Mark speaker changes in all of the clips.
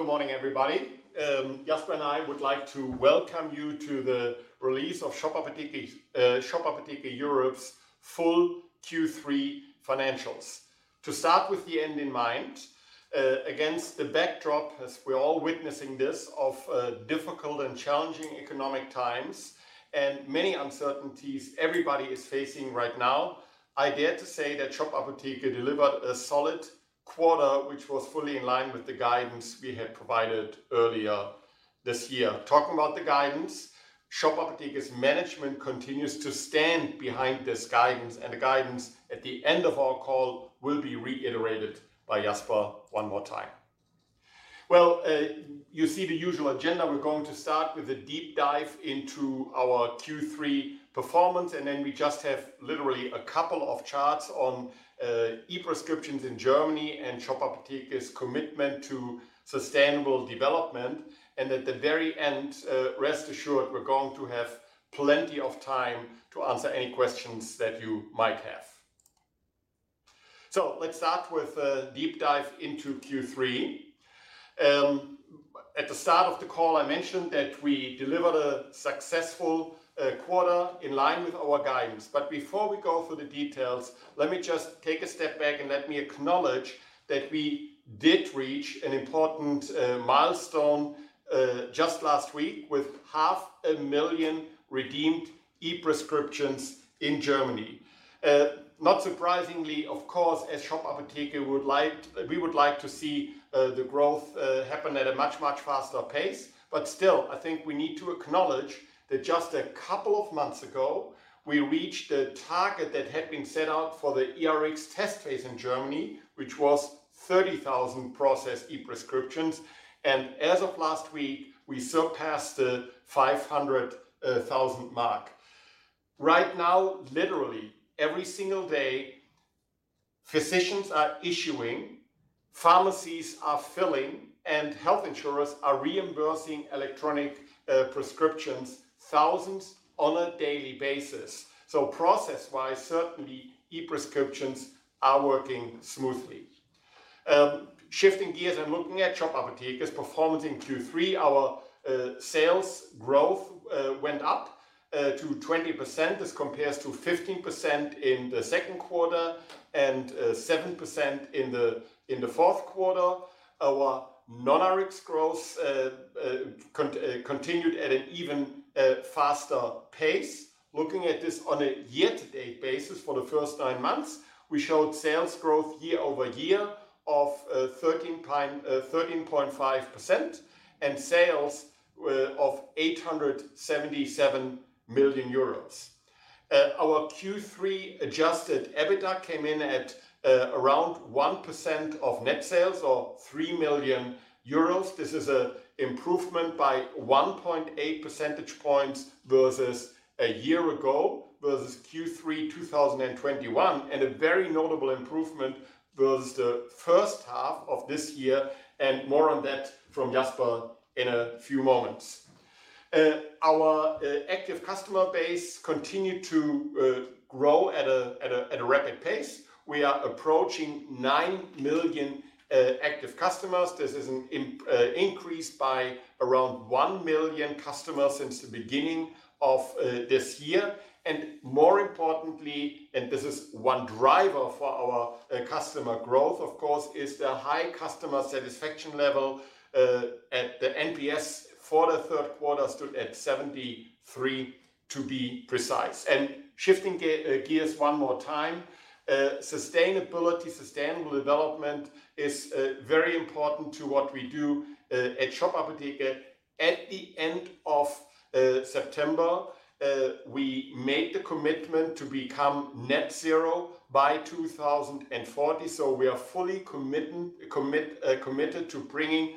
Speaker 1: Good morning, everybody. Jasper and I would like to welcome you to the release of Shop Apotheke Europe's full Q3 financials. To start with the end in mind, against the backdrop as we're all witnessing this of difficult and challenging economic times and many uncertainties everybody is facing right now, I dare to say that Shop Apotheke delivered a solid quarter, which was fully in line with the guidance we had provided earlier this year. Talking about the guidance, Shop Apotheke's management continues to stand behind this guidance, and the guidance at the end of our call will be reiterated by Jasper one more time. Well, you see the usual agenda. We're going to start with a deep dive into our Q3 performance, and then we just have literally a couple of charts on e-prescriptions in Germany and Shop Apotheke's commitment to sustainable development. At the very end, rest assured we're going to have plenty of time to answer any questions that you might have. Let's start with a deep dive into Q3. At the start of the call, I mentioned that we delivered a successful quarter in line with our guidance. Before we go through the details, let me just take a step back and let me acknowledge that we did reach an important milestone just last week with half a million redeemed e-prescriptions in Germany. Not surprisingly of course, we would like to see the growth happen at a much faster pace. Still, I think we need to acknowledge that just a couple of months ago, we reached a target that had been set out for the eRx test phase in Germany, which was 30,000 processed e-prescriptions. As of last week, we surpassed the 500,000 mark. Right now, literally every single day, physicians are issuing, pharmacies are filling, and health insurers are reimbursing electronic prescriptions, thousands on a daily basis. Process-wise, certainly e-prescriptions are working smoothly. Shifting gears and looking at Shop Apotheke's performance in Q3, our sales growth went up to 20%. This compares to 15% in the second quarter and 7% in the fourth quarter. Our non-Rx growth continued at an even faster pace. Looking at this on a year-to-date basis for the first nine months, we showed sales growth year-over-year of 13.5% and sales of 877 million euros. Our Q3 adjusted EBITDA came in at around 1% of net sales, or 3 million euros. This is an improvement by 1.8 percentage points versus a year ago, versus Q3 2021, and a very notable improvement versus the first half of this year. More on that from Jasper in a few moments. Our active customer base continued to grow at a rapid pace. We are approaching 9 million active customers. This is an increase by around 1 million customers since the beginning of this year. More importantly, this is one driver for our customer growth, of course, is the high customer satisfaction level. At the NPS for the Q3 stood at 73 to be precise. Shifting gears one more time, sustainability, sustainable development is very important to what we do at Shop Apotheke. At the end of September, we made the commitment to become net zero by 2040. We are fully committed to bringing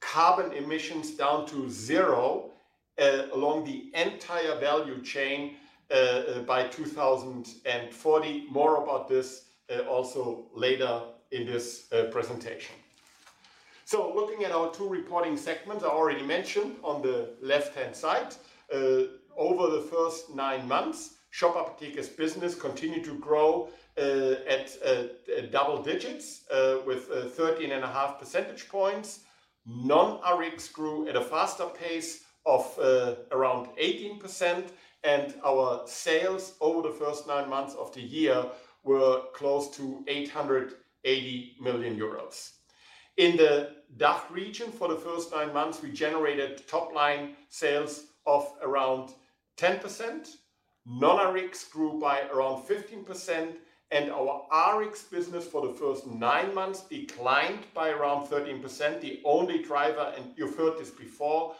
Speaker 1: carbon emissions down to zero along the entire value chain by 2040. More about this also later in this presentation. So looking at our two reporting segments I already mentioned. On the left-hand side, over the first nine months, Shop Apotheke's business continued to grow at double digits with 13.5 percentage points. Non-RX grew at a faster pace of around 18%, and our sales over the first nine months of the year were close to 880 million euros. In the DACH region for the first nine months, we generated top-line sales of around 10%. Non-RX grew by around 15%, and our RX business for the first nine months declined by around 13%. The only driver, and you've heard this before,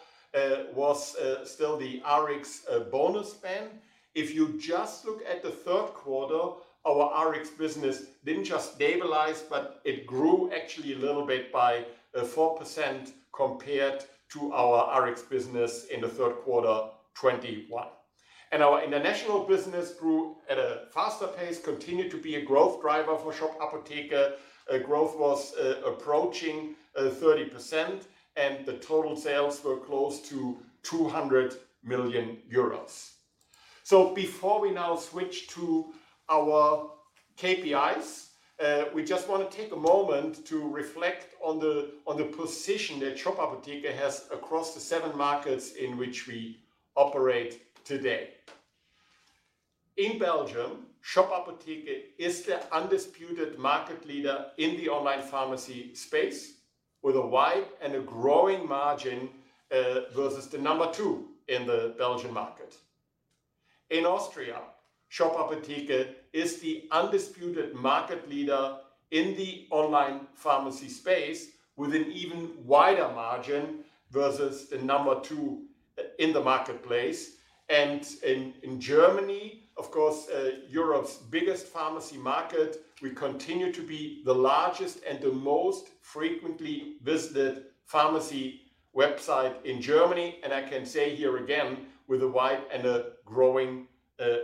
Speaker 1: was still the RX bonus ban. If you just look at the Q3, our RX business didn't just stabilize, but it grew actually a little bit by 4% compared to our RX business in the Q3 2021. Our international business grew at a faster pace, continued to be a growth driver for Shop Apotheke. Growth was approaching 30% and the total sales were close to 200 million euros. Before we now switch to our KPIs, we just want to take a moment to reflect on the position that Shop Apotheke has across the seven markets in which we operate today. In Belgium, Shop Apotheke is the undisputed market leader in the online pharmacy space with a wide and a growing margin versus the number two in the Belgian market. In Austria, Shop Apotheke is the undisputed market leader in the online pharmacy space with an even wider margin versus the number two in the marketplace. In Germany, of course, Europe's biggest pharmacy market, we continue to be the largest and the most frequently visited pharmacy website in Germany, and I can say here again with a wide and a growing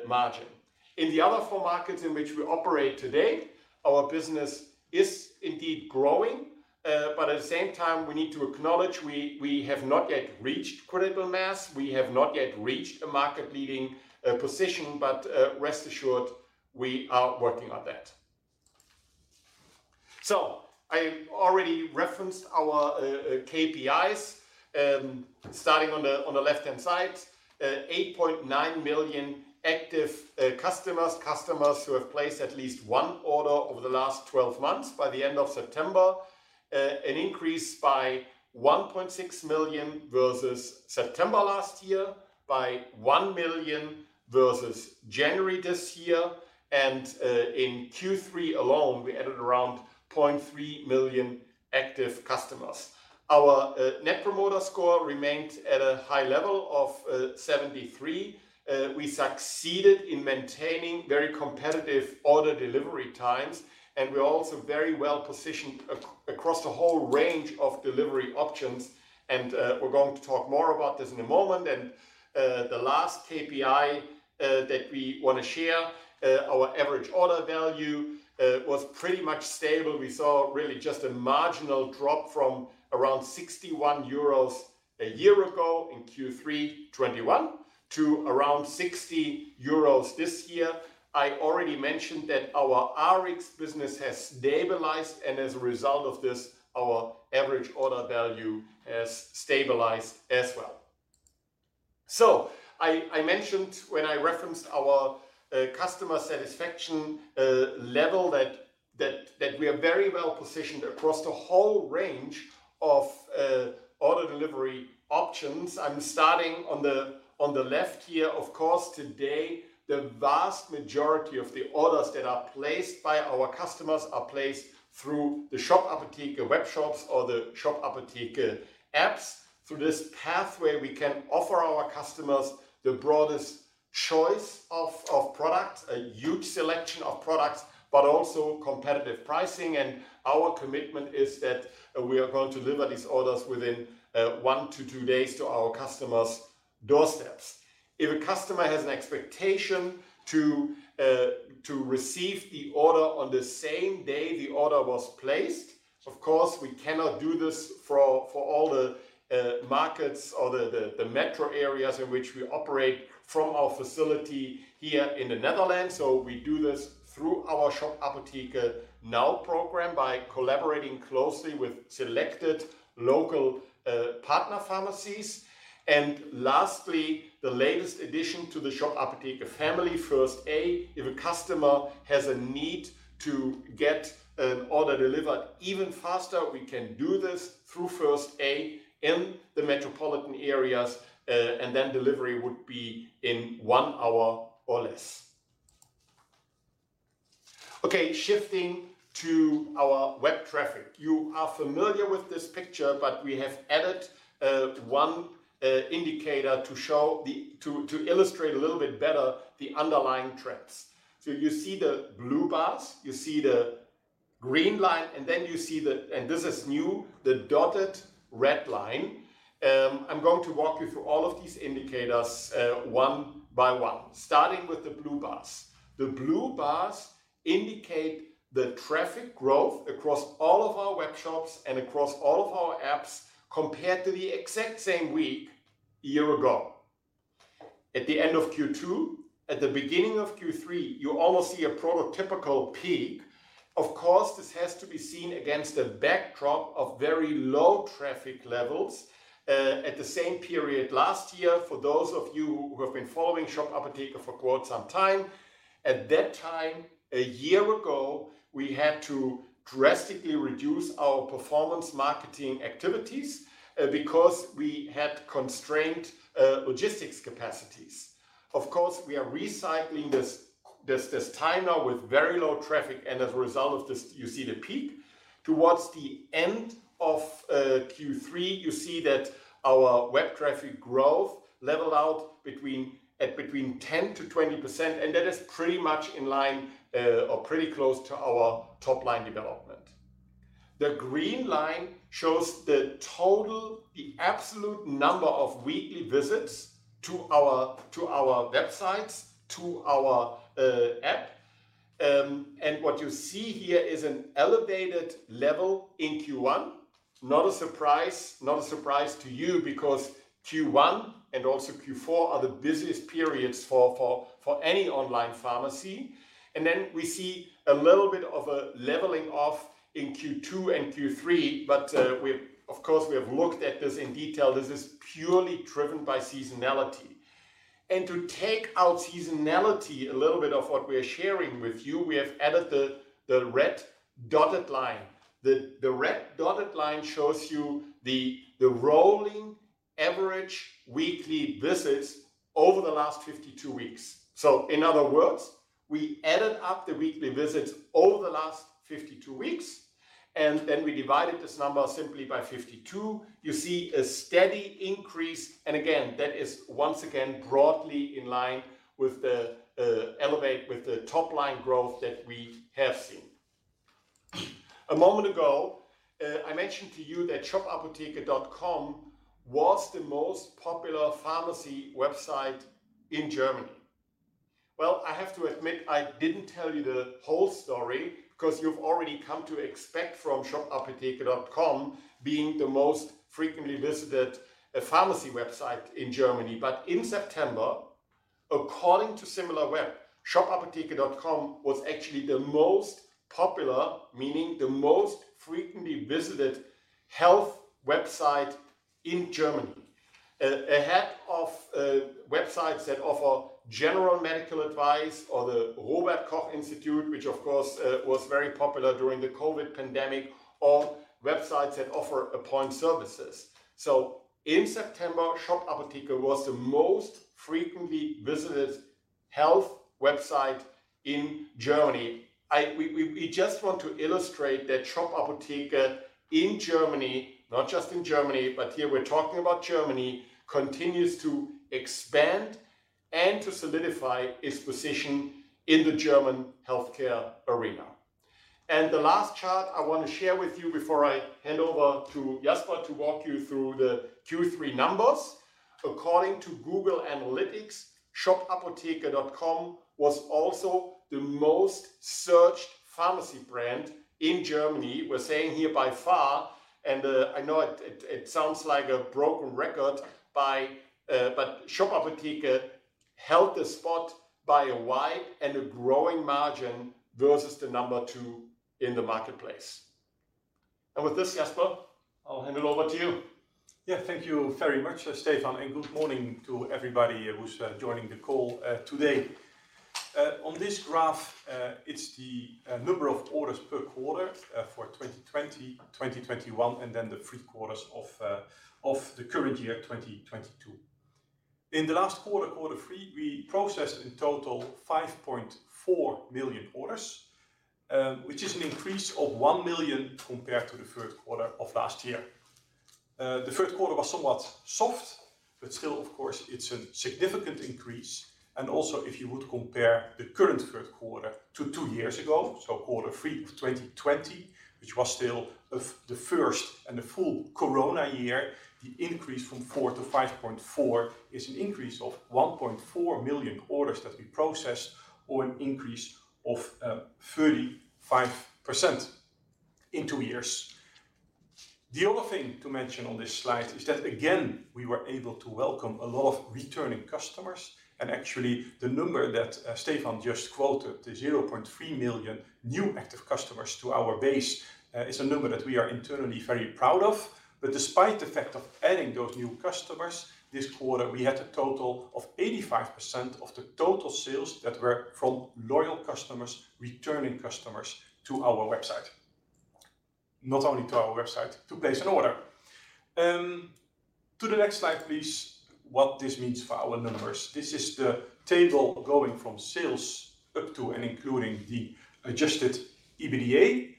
Speaker 1: margin. In the other four markets in which we operate today, our business is indeed growing, but at the same time, we need to acknowledge we have not yet reached critical mass. We have not yet reached a market-leading position but rest assured, we are working on that. I already referenced our KPIs. Starting on the left-hand side, 8.9 million active customers who have placed at least one order over the last 12 months by the end of September. An increase by 1.6 million versus September last year, by 1 million versus January this year, and in Q3 alone, we added around 0.3 million active customers. Our net promoter score remained at a high level of 73. We succeeded in maintaining very competitive order delivery times, and we are also very well positioned across the whole range of delivery options, and we're going to talk more about this in a moment. The last KPI that we wanna share, our average order value, was pretty much stable. We saw really just a marginal drop from around 61 euros a year ago in Q3 2021 to around 60 euros this year. I already mentioned that our Rx business has stabilized, and as a result of this, our average order value has stabilized as well. I mentioned when I referenced our customer satisfaction level that we are very well positioned across the whole range of order delivery options. I'm starting on the left here. Of course, today the vast majority of the orders that are placed by our customers are placed through the Shop Apotheke webshops or the Shop Apotheke apps. Through this pathway, we can offer our customers the broadest choice of products, a huge selection of products, but also competitive pricing. Our commitment is that we are going to deliver these orders within one to two days to our customers' doorsteps. If a customer has an expectation to receive the order on the same day the order was placed, of course, we cannot do this for all the markets or the metro areas in which we operate from our facility here in the Netherlands, so we do this through our Shop Apotheke NOW program by collaborating closely with selected local partner pharmacies. Lastly the latest addition to the Shop Apotheke family, First A. If a customer has a need to get an order delivered even faster, we can do this through First A in the metropolitan areas, and then delivery would be in one hour or less. Okay shifting to our web traffic. You are familiar with this picture, but we have added one indicator to show to illustrate a little bit better the underlying trends. You see the blue bars, you see the green line, and then you see the, and this is new, the dotted red line. I'm going to walk you through all of these indicators one by one, starting with the blue bars. The blue bars indicate the traffic growth across all of our webshops and across all of our apps compared to the exact same week a year ago. At the end of Q2, at the beginning of Q3, you almost see a prototypical peak. Of course this has to be seen against a backdrop of very low traffic levels at the same period last year. For those of you who have been following Shop Apotheke for quite some time, at that time, a year ago, we had to drastically reduce our performance marketing activities because we had constrained logistics capacities. Of course, we are recycling this time now with very low traffic and as a result of this, you see the peak. Towards the end of Q3, you see that our web traffic growth leveled out between 10%-20%, and that is pretty much in line or pretty close to our top-line development. The green line shows the total, the absolute number of weekly visits to our websites, to our app. What you see here is an elevated level in Q1. Not a surprise to you because Q1 and also Q4 are the busiest periods for any online pharmacy. And then we see a little bit of a leveling off in Q2 and Q3. Of course, we have looked at this in detail. This is purely driven by seasonality. To take out seasonality, a little bit of what we are sharing with you, we have added the red dotted line. The red dotted line shows you the rolling average weekly visits over the last 52 weeks. In other words, we added up the weekly visits over the last 52 weeks, and then we divided this number simply by 52. You see a steady increase, and again, that is once again broadly in line with the elevated top line growth that we have seen. A moment ago, I mentioned to you that shop-apotheke.com was the most popular pharmacy website in Germany. Well, I have to admit, I didn't tell you the whole story 'cause you've already come to expect from shop-apotheke.com being the most frequently visited pharmacy website in Germany. In September, according to Similarweb, shop-apotheke.com was actually the most popular, meaning the most frequently visited health website in Germany. Ahead of websites that offer general medical advice or the Robert Koch Institute, which of course was very popular during the COVID pandemic, or websites that offer appointment services. In September, Shop Apotheke was the most frequently visited health website in Germany. We just want to illustrate that Shop Apotheke in Germany, not just in Germany, but here we're talking about Germany, continues to expand and to solidify its position in the German healthcare arena. The last chart I wanna share with you before I hand over to Jasper to walk you through the Q3 numbers. According to Google Analytics, shop-apotheke.com was also the most searched pharmacy brand in Germany. We are saying here by far, and I know it sounds like a broken record, but Shop Apotheke held the spot by a wide and a growing margin versus the number two in the marketplace. With this, Jasper, I'll hand it over to you.
Speaker 2: Yeah. Thank you very much, Stefan, and good morning to everybody who's joining the call today. On this graph, it's the number of orders per quarter for 2020, 2021, and then the three quarters of the current year, 2022. In the last quarter three, we processed in total 5.4 million orders, which is an increase of 1 million compared to the Q3 of last year. The Q3 was somewhat soft, but still, of course, it's a significant increase. Also, if you would compare the current Q3 to two years ago, so quarter three to 2020, which was still of the First And the full corona year, the increase from 4 to 5.4 is an increase of 1.4 million orders that we processed or an increase of 35% in two years. The other thing to mention on this slide is that, again, we were able to welcome a lot of returning customers. Actually, the number that Stefan just quoted, the 0.3 million new active customers to our base is a number that we are internally very proud of. Despite the fact of adding those new customers this quarter, we had a total of 85% of the total sales that were from loyal customers, returning customers to our website. Not only to our website to place an order. To the next slide, please. What this means for our numbers. This is the table going from sales up to and including the adjusted EBITDA.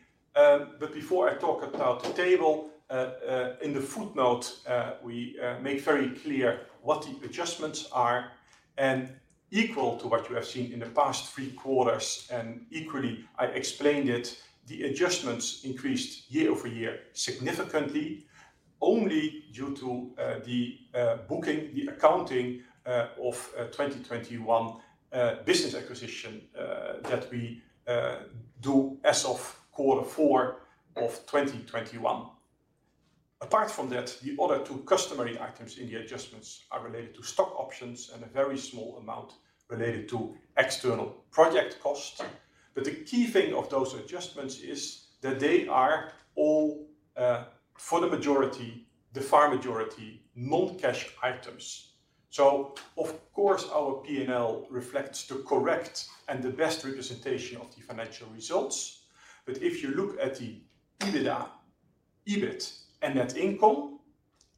Speaker 2: Before I talk about the table, in the footnote, we make very clear what the adjustments are and equal to what you have seen in the past three quarters. Equally, as I explained it, the adjustments increased year-over-year significantly only due to the booking, the accounting of 2021 business acquisition that we do as of quarter four of 2021. Apart from that, the other two customary items in the adjustments are related to stock options and a very small amount related to external project costs. The key thing of those adjustments is that they are all, for the majority, the far majority, non-cash items. Of course, our P&L reflects the correct and the best representation of the financial results. If you look at the EBITDA, EBIT and net income,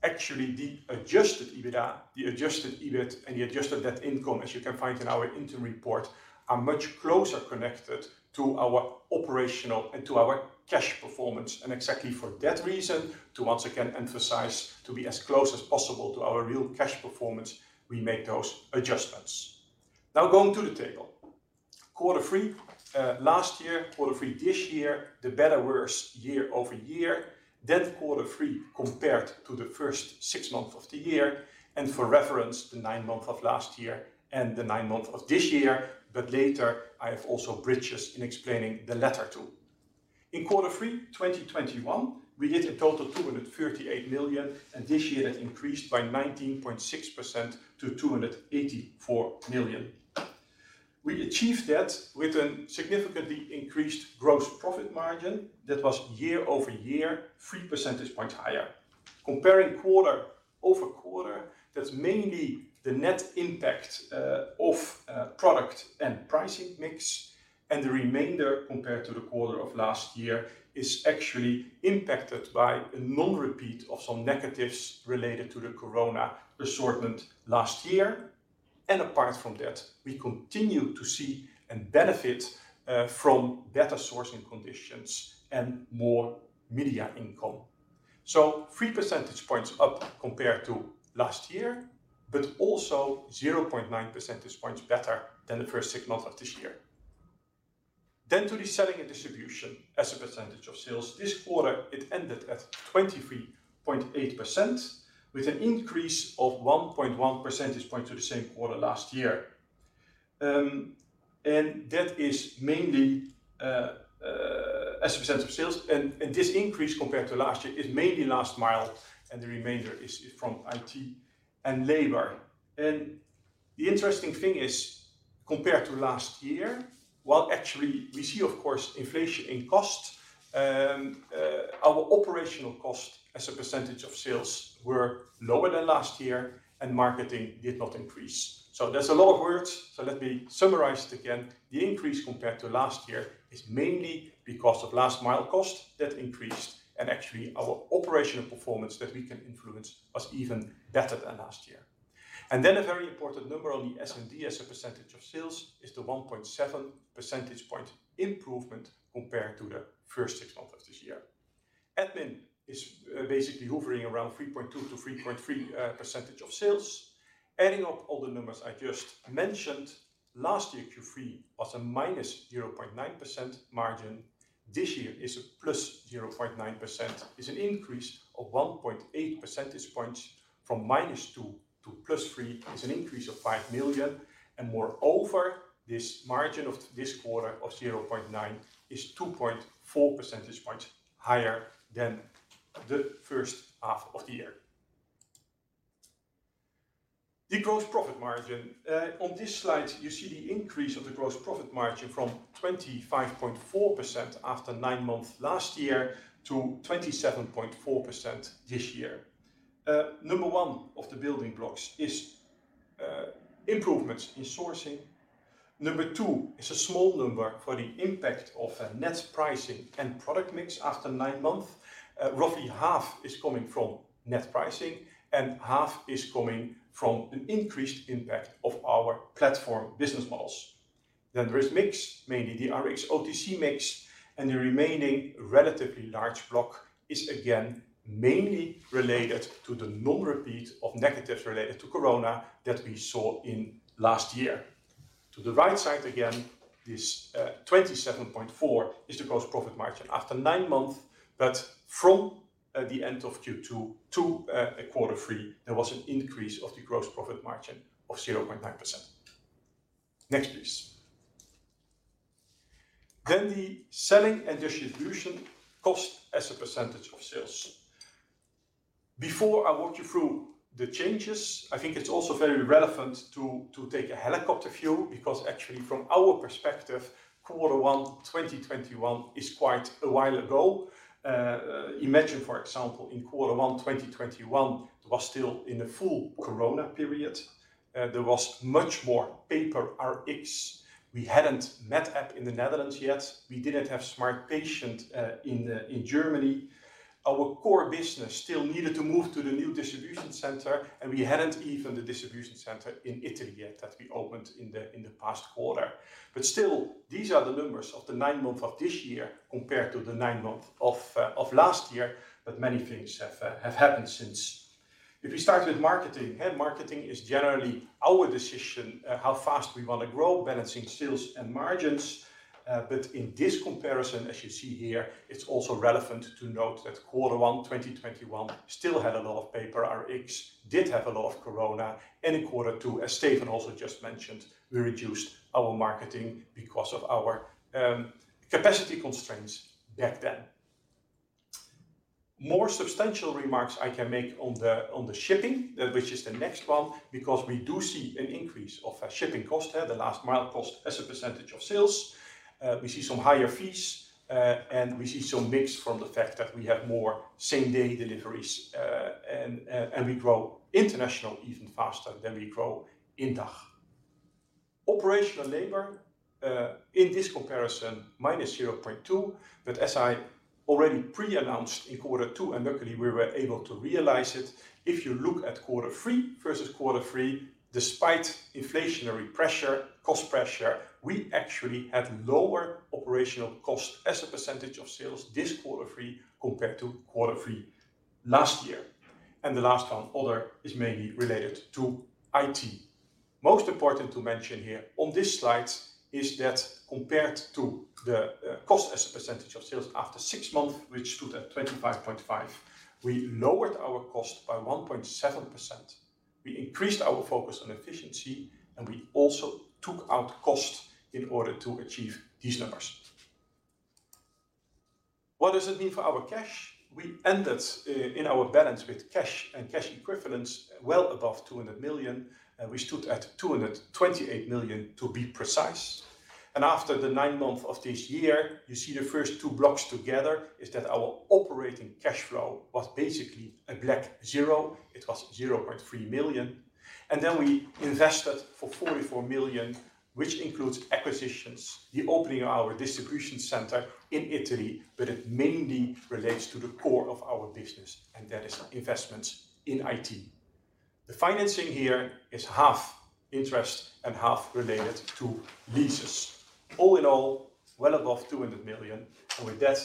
Speaker 2: actually the adjusted EBITDA, the adjusted EBIT and the adjusted net income, as you can find in our interim report, are much closer connected to our operational and to our cash performance. Exactly for that reason, to once again emphasize, to be as close as possible to our real cash performance, we make those adjustments. Now, going to the table. Quarter three last year, quarter three this year, the better worse year-over-year, then quarter three compared to the first six months of the year, and for reference, the nine months of last year and the nine months of this year. Later, I have also bridges in explaining the latter two. In quarter three 2021, we hit a total 238 million, and this year that increased by 19.6% to 284 million. We achieved that with a significantly increased gross profit margin that was year-over-year three percentage points higher. Comparing quarter-over-quarter, that's mainly the net impact of product and pricing mix. The remainder, compared to the quarter of last year, is actually impacted by a non-repeat of some negatives related to the corona assortment last year. Apart from that, we continue to see and benefit from better sourcing conditions and more media income. Three percentage points up compared to last year, but also 0.9 percentage points better than the first six months of this year. To the selling and distribution as a percentage of sales. This quarter, it ended at 23.8% with an increase of 1.1 percentage point to the same quarter last year. And that is mainly as a percentage of sales. This increase compared to last year is mainly last mile, and the remainder is from IT and labor. The interesting thing is, compared to last year, while actually we see of course inflation in cost, our operational cost as a percentage of sales were lower than last year and marketing did not increase. That's a lot of words, so let me summarize it again. The increase compared to last year is mainly because of last mile cost that increased and actually our operational performance that we can influence was even better than last year. Then a very important number on the S&D as a percentage of sales is the 1.7 percentage point improvement compared to the first six months of this year. Admin is basically hovering around 3.2-3.3% of sales. Adding up all the numbers I just mentioned, last year Q3 was a -0.9% margin. This year is a +0.9%. It's an increase of 1.8 percentage points from -2% to +3% is an increase of 5 million. Moreover, this margin of this quarter of 0.9 is 2.4 percentage points higher than the first half of the year. The gross profit margin. On this slide, you see the increase of the gross profit margin from 25.4% after nine months last year to 27.4% this year. Number one of the building blocks is improvements in sourcing. Number two is a small number for the impact of a net pricing and product mix after nine months. Roughly half is coming from net pricing and half is coming from an increased impact of our platform business models. Then there is mix, mainly the Rx/OTC mix, and the remaining relatively large block is again mainly related to the non-repeat of negatives related to corona that we saw in last year. To the right side again, this 27.4 is the gross profit margin after nine months, but from the end of Q2 to quarter three, there was an increase of the gross profit margin of 0.9%. Next, please. Then the selling and distribution cost as a percentage of sales. Before I walk you through the changes, I think it's also very relevant to take a helicopter view, because actually from our perspective, quarter one 2021 is quite a while ago. Imagine, for example, in quarter one 2021 was still in the full corona period. There was much more paper Rx. We hadn't MedApp in the Netherlands yet. We didn't have SmartPatient in Germany. Our core business still needed to move to the new distribution center, and we hadn't even the distribution center in Italy yet that we opened in the past quarter. Still, these are the numbers of the nine months of this year compared to the nine months of last year. Many things have happened since. If we start with marketing, and marketing is generally our decision, how fast we want to grow, balancing sales and margins. In this comparison, as you see here, it's also relevant to note that quarter one 2021 still had a lot of paper Rx, did have a lot of corona, and in quarter two, as Stefan also just mentioned, we reduced our marketing because of our capacity constraints back then. More substantial remarks I can make on the shipping, which is the next one, because we do see an increase of shipping cost here, the last mile cost as a percentage of sales. We see some higher fees, and we see some mix from the fact that we have more same-day deliveries, and we grow international even faster than we grow in DACH. Operational labor, in this comparison, -0.2%. As I already pre-announced in quarter two, and luckily we were able to realize it, if you look at quarter three versus quarter three, despite inflationary pressure, cost pressure, we actually had lower operational cost as a percentage of sales this quarter three compared to quarter three last year. The last one, other, is mainly related to IT. Most important to mention here on this slide is that compared to the cost as a percentage of sales after six months, which stood at 25.5%, we lowered our cost by 1.7%. We increased our focus on efficiency, and we also took out cost in order to achieve these numbers. What does it mean for our cash? We ended in our balance with cash and cash equivalents well above 200 million. We stood at 228 million to be precise. After the nine months of this year, you see the first two blocks together is that our operating cash flow was basically a black zero. It was 0.3 million. We invested 44 million, which includes acquisitions, the opening of our distribution center in Italy, but it mainly relates to the core of our business, and that is investments in IT. The financing here is half interest and half related to leases. All in all well above 200 million. With that,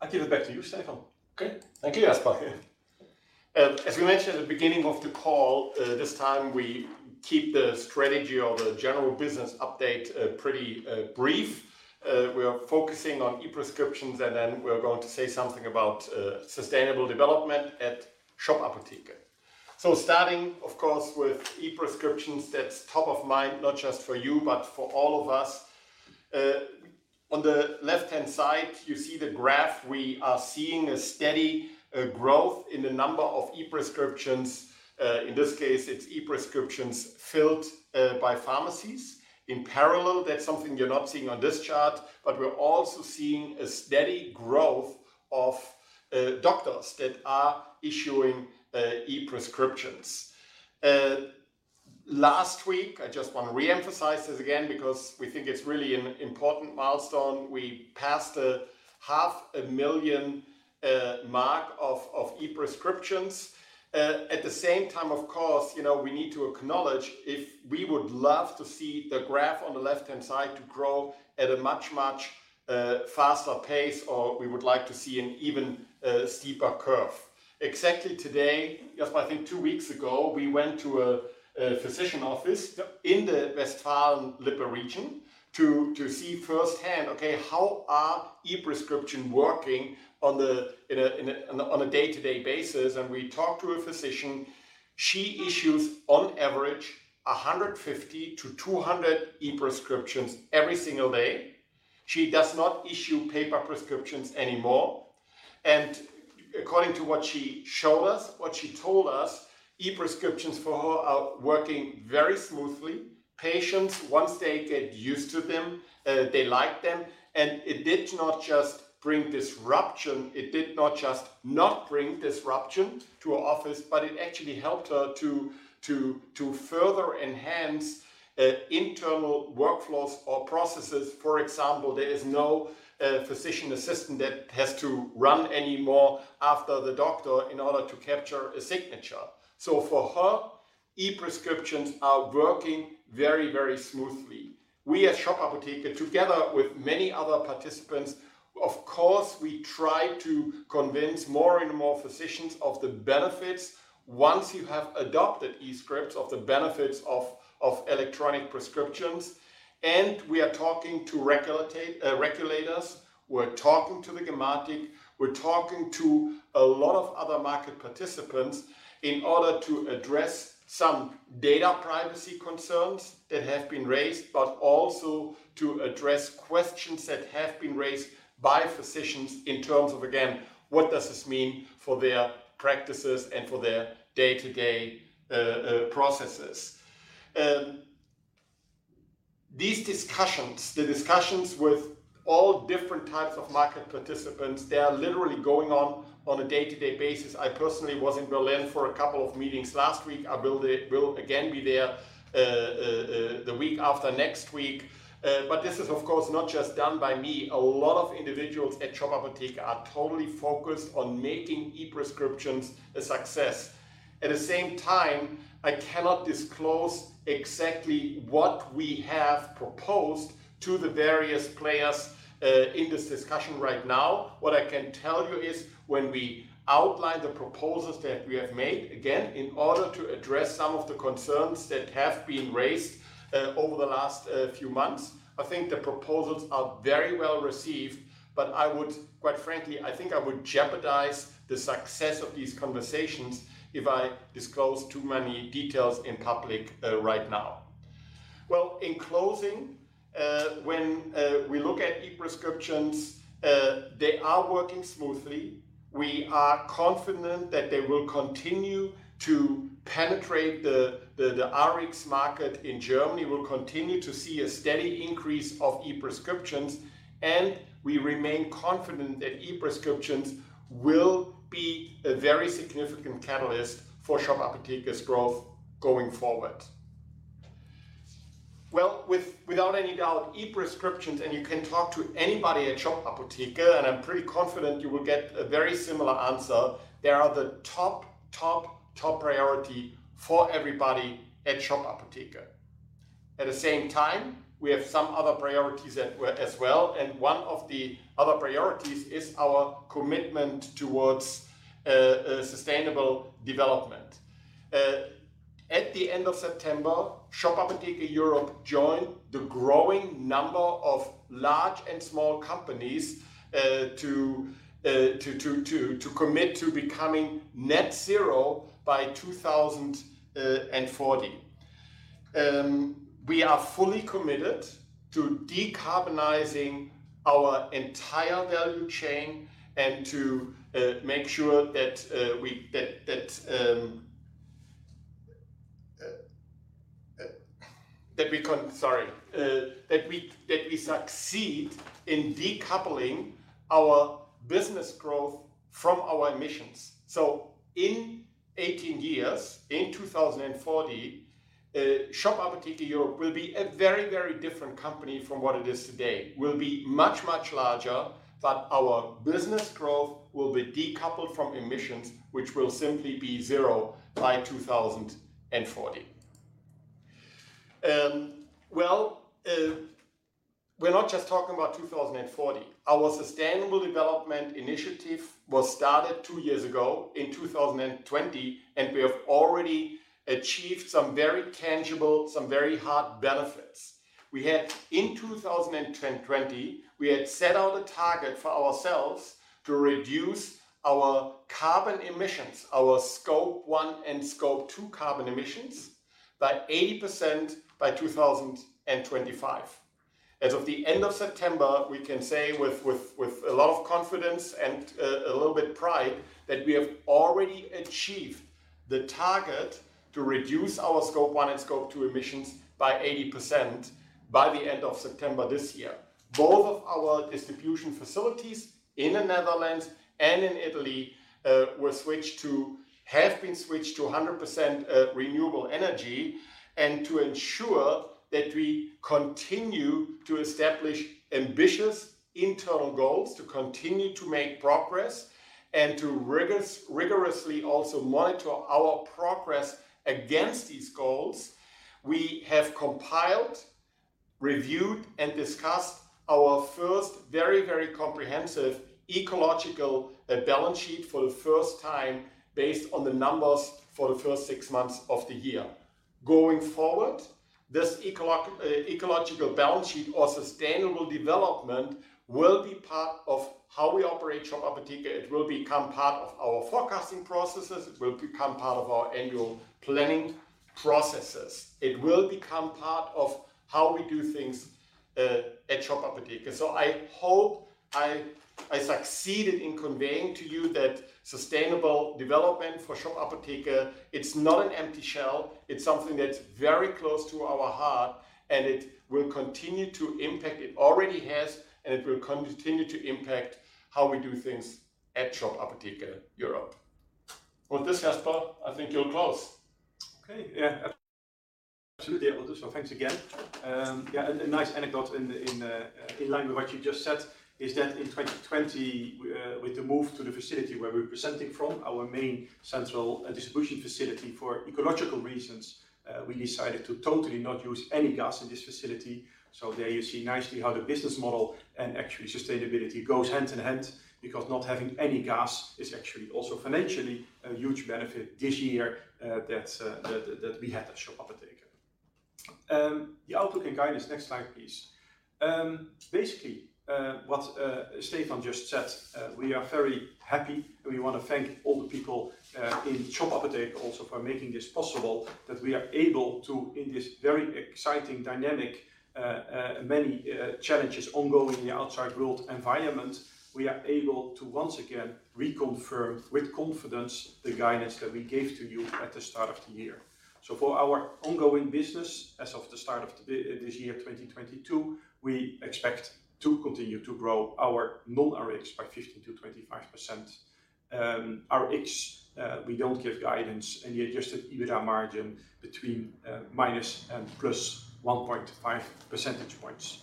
Speaker 2: I give it back to you, Stefan.
Speaker 1: Okay. Thank you, Jasper.
Speaker 2: Yeah.
Speaker 1: As we mentioned at the beginning of the call, this time we keep the strategy or the general business update pretty brief. We are focusing on e-prescriptions, and then we're going to say something about sustainable development at Shop Apotheke. Starting of course, with e-prescriptions, that's top of mind not just for you, but for all of us. On the left-hand side, you see the graph. We are seeing a steady growth in the number of e-prescriptions. In this case, it's e-prescriptions filled by pharmacies. In parallel that's something you are not seeing on this chart, but we're also seeing a steady growth of doctors that are issuing e-prescriptions. Last week, I just wanna reemphasize this again because we think it's really an important milestone. We passed a 500,000 mark of e-prescriptions. At the same time, of course, you know, we need to acknowledge if we would love to see the graph on the left-hand side to grow at a much faster pace, or we would like to see an even steeper curve. Exactly today, Jasper, I think two weeks ago, we went to a physician office.
Speaker 2: Yep.
Speaker 1: In the Westfalen-Lippe region to see firsthand how e-prescriptions are working on a day-to-day basis. We talked to a physician. She issues on average 150-200 e-prescriptions every single day. She does not issue paper prescriptions anymore. According to what she showed us, what she told us, e-prescriptions for her are working very smoothly. Patients, once they get used to them, they like them. It did not just bring disruption. It did not just not bring disruption to her office but it actually helped her to further enhance internal workflows or processes. For example, there is no physician assistant that has to run anymore after the doctor in order to capture a signature. For her, e-prescriptions are working very, very smoothly. We at Shop Apotheke, together with many other participants, of course, we try to convince more and more physicians of the benefits once you have adopted e-scripts, of the benefits of electronic prescriptions. We are talking to regulators. We are talking to the Gematik. We're talking to a lot of other market participants in order to address some data privacy concerns that have been raised, but also to address questions that have been raised by physicians in terms of again, what does this mean for their practices and for their day-to-day processes. These discussions, the discussions with all different types of market participants, they are literally going on a day-to-day basis. I personally was in Berlin for a couple of meetings last week. I will again be there the week after next week. This is of course not just done by me. A lot of individuals at Shop Apotheke are totally focused on making e-prescriptions a success. At the same time, I cannot disclose exactly what we have proposed to the various players in this discussion right now. What I can tell you is when we outline the proposals that we have made, again in order to address some of the concerns that have been raised over the last few months, I think the proposals are very well received. I would quite frankly, I think I would jeopardize the success of these conversations if I disclose too many details in public right now. Well, in closing, when we look at e-prescriptions, they are working smoothly. We are confident that they will continue to penetrate the Rx market in Germany. We will continue to see a steady increase of e-prescriptions, and we remain confident that e-prescriptions will be a very significant catalyst for Shop Apotheke's growth going forward. Well, without any doubt, e-prescriptions and you can talk to anybody at Shop Apotheke, and I'm pretty confident you will get a very similar answer, they are the top priority for everybody at Shop Apotheke. At the same time we have some other priorities as well, and one of the other priorities is our commitment towards sustainable development. At the end of September, Shop Apotheke Europe joined the growing number of large and small companies to commit to becoming net zero by 2040. We are fully committed to decarbonizing our entire value chain and to make sure that we succeed in decoupling our business growth from our emissions. In 18 years, in 2040, Shop Apotheke Europe will be a very, very different company from what it is today. We'll be much, much larger, but our business growth will be decoupled from emissions, which will simply be zero by 2040. Well we are not just talking about 2040. Our sustainable development initiative was started two years ago in 2020, and we have already achieved some very tangible, some very hard benefits. In 2020, we had set out a target for ourselves to reduce our carbon emissions, our Scope 1 and Scope 2 carbon emissions, by 80% by 2025. As of the end of September, we can say with a lot of confidence and a little bit pride that we have already achieved the target to reduce our Scope 1 and Scope 2 emissions by 80% by the end of September this year. Both of our distribution facilities in the Netherlands and in Italy have been switched to 100% renewable energy and to ensure that we continue to establish ambitious internal goals, to continue to make progress, and to rigorously also monitor our progress against these goals. We have compiled, reviewed, and discussed our first very comprehensive ecological balance sheet for the first time based on the numbers for the first six months of the year. Going forward, this ecological balance sheet or sustainable development will be part of how we operate Shop Apotheke. It will become part of our forecasting processes. It will become part of our annual planning processes. It will become part of how we do things at Shop Apotheke. I hope I succeeded in conveying to you that sustainable development for Shop Apotheke, it's not an empty shell. It's something that's very close to our heart, and it will continue to impact. It already has and it will continue to impact how we do things at Shop Apotheke Europe. With this, Jasper, I think you're close.
Speaker 2: Okay. Yeah. Absolutely, Otto. Thanks again. Yeah, a nice anecdote in line with what you just said is that in 2020, with the move to the facility where we're presenting from, our main central distribution facility, for ecological reasons, we decided to totally not use any gas in this facility. There you see nicely how the business model and actually sustainability goes hand in hand because not having any gas is actually also financially a huge benefit this year, that we have at Shop Apotheke. The outlook and guidance, next slide, please. Basically, what Stefan just said, we are very happy and we wanna thank all the people in Shop Apotheke also for making this possible, that we are able to, in this very exciting dynamic, many challenges ongoing in the outside world environment, we are able to once again reconfirm with confidence the guidance that we gave to you at the start of the year. For our ongoing business, as of the start of this year, 2022, we expect to continue to grow our non-Rx by 15%-25%. Our Rx, we don't give guidance in the adjusted EBITDA margin between minus and plus 1.5 percentage points.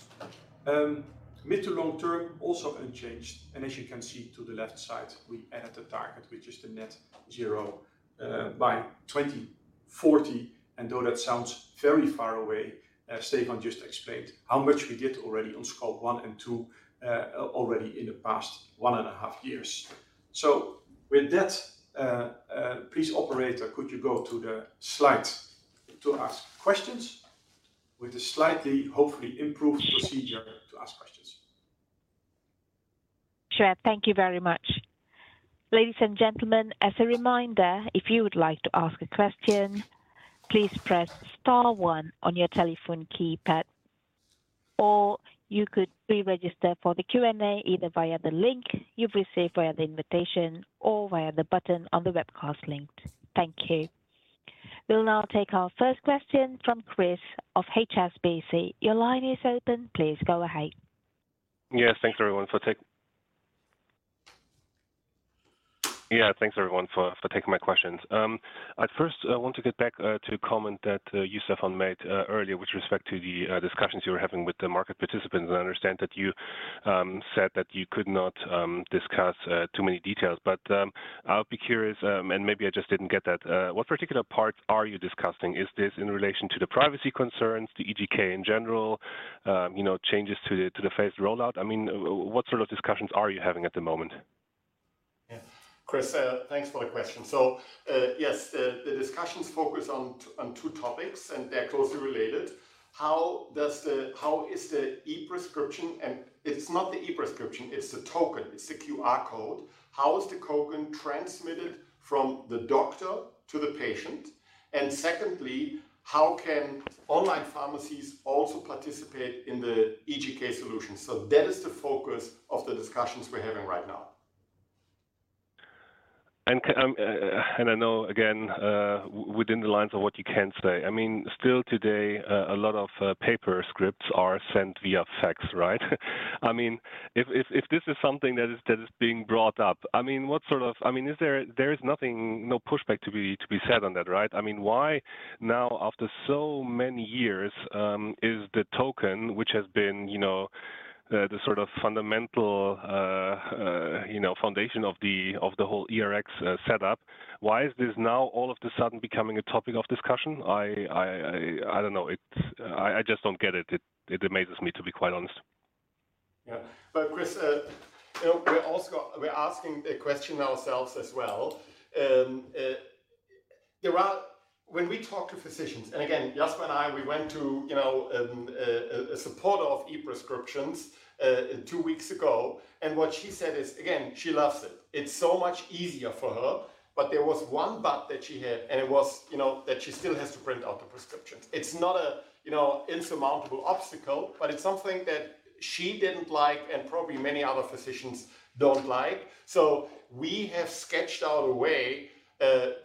Speaker 2: Mid to long term, also unchanged. As you can see to the left side, we added a target, which is the net zero by 2040. Though that sounds very far away, as Stefan just explained how much we did already on Scope 1 and 2 already in the past one and a half years. With that, please, operator, could you go to the slides to ask questions with a slightly hopefully improved procedure to ask questions.
Speaker 3: Sure. Thank you very much. Ladies and gentlemen, as a reminder, if you would like to ask a question, please press star one on your telephone keypad, or you could pre-register for the Q&A either via the link you've received via the invitation or via the button on the webcast link. Thank you. We'll now take our first question from Chris of HSBC. Your line is open. Please go ahead.
Speaker 4: Yes. Thanks everyone for Yeah. Thanks everyone for taking my questions. I first want to get back to a comment that you, Stefan, made earlier with respect to the discussions you were having with the market participants. I understand that you said that you could not discuss too many details. I would be curious and maybe I just didn't get that what particular parts are you discussing? Is this in relation to the privacy concerns, the EGK in general, you know, changes to the phase rollout? I mean, what sort of discussions are you having at the moment?
Speaker 1: Yeah. Chris, thanks for the question. Yes, the discussions focus on two topics, and they are closely related. How is the e-prescription, and it's not the e-prescription, it's the token, it's the QR code. How is the token transmitted from the doctor to the patient? Secondly, how can online pharmacies also participate in the EGK solution? That is the focus of the discussions we're having right now.
Speaker 4: I know again, within the lines of what you can say, I mean still today, a lot of paper scripts are sent via fax, right? I mean, if this is something that is being brought up, I mean, what sort of is there nothing, no pushback to be said on that, right? I mean, why now after so many years, is the token which has been, you know, the sort of fundamental, you know foundation of the whole eRx setup, why is this now all of a sudden becoming a topic of discussion? I don't know. I just don't get it. It amazes me, to be quite honest.
Speaker 1: Yeah. Chris, you know, we are also asking the question ourselves as well. When we talk to physicians, and again, Jasper and I, we went to, you know, a supporter of e-prescriptions, two weeks ago, and what she said is, again, she loves it. It's so much easier for her. But there was one but that she had, and it was, you know, that she still has to print out the prescriptions. It's not a you know, insurmountable obstacle, but it's something that she didn't like and probably many other physicians don't like. We have sketched out a way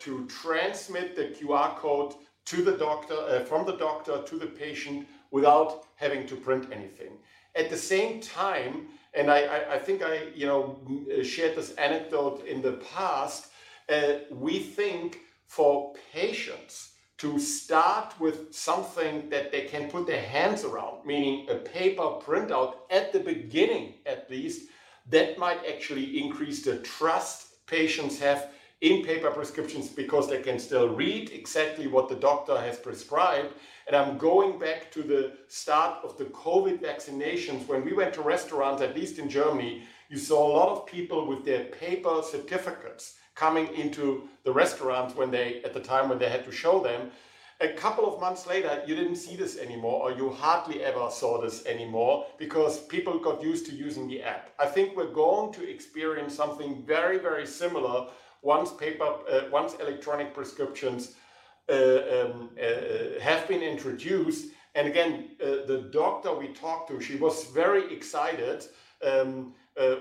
Speaker 1: to transmit the QR code to the doctor from the doctor to the patient without having to print anything. At the same time, I think I, you know, shared this anecdote in the past. We think for patients to start with something that they can put their hands around, meaning a paper printout at the beginning at least, that might actually increase the trust patients have in paper prescriptions because they can still read exactly what the doctor has prescribed. I'm going back to the start of the COVID vaccinations. When we went to restaurants, at least in Germany, you saw a lot of people with their paper certificates coming into the restaurant when they, at the time when they had to show them. A couple of months later, you didn't see this anymore, or you hardly ever saw this anymore because people got used to using the app. I think we are going to experience something very, very similar once electronic prescriptions have been introduced. Again, the doctor we talked to she was very excited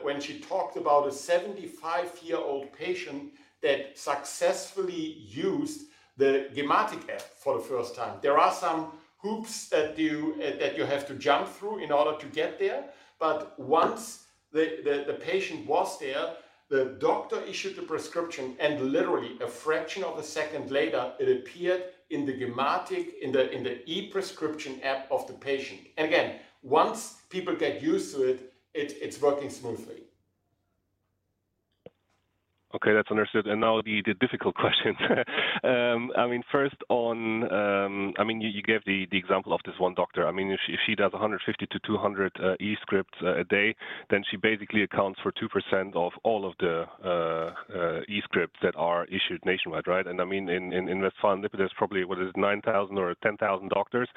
Speaker 1: when she talked about a 75-year-old patient that successfully used the Gematik app for the first time. There are some hoops that you have to jump through in order to get there. Once the patient was there, the doctor issued the prescription, and literally a fraction of a second later, it appeared in the Gematik in the e-prescription app of the patient. Again, once people get used to it's working smoothly.
Speaker 4: Okay, that's understood. Now the difficult question. I mean, first on, I mean, you gave the example of this one doctor. I mean, if she does 150-200 e-scripts a day, then she basically accounts for 2% of all of the e-scripts that are issued nationwide, right? I mean, in Westfalen-Lippe there's probably 9,000 or 10,000 doctors.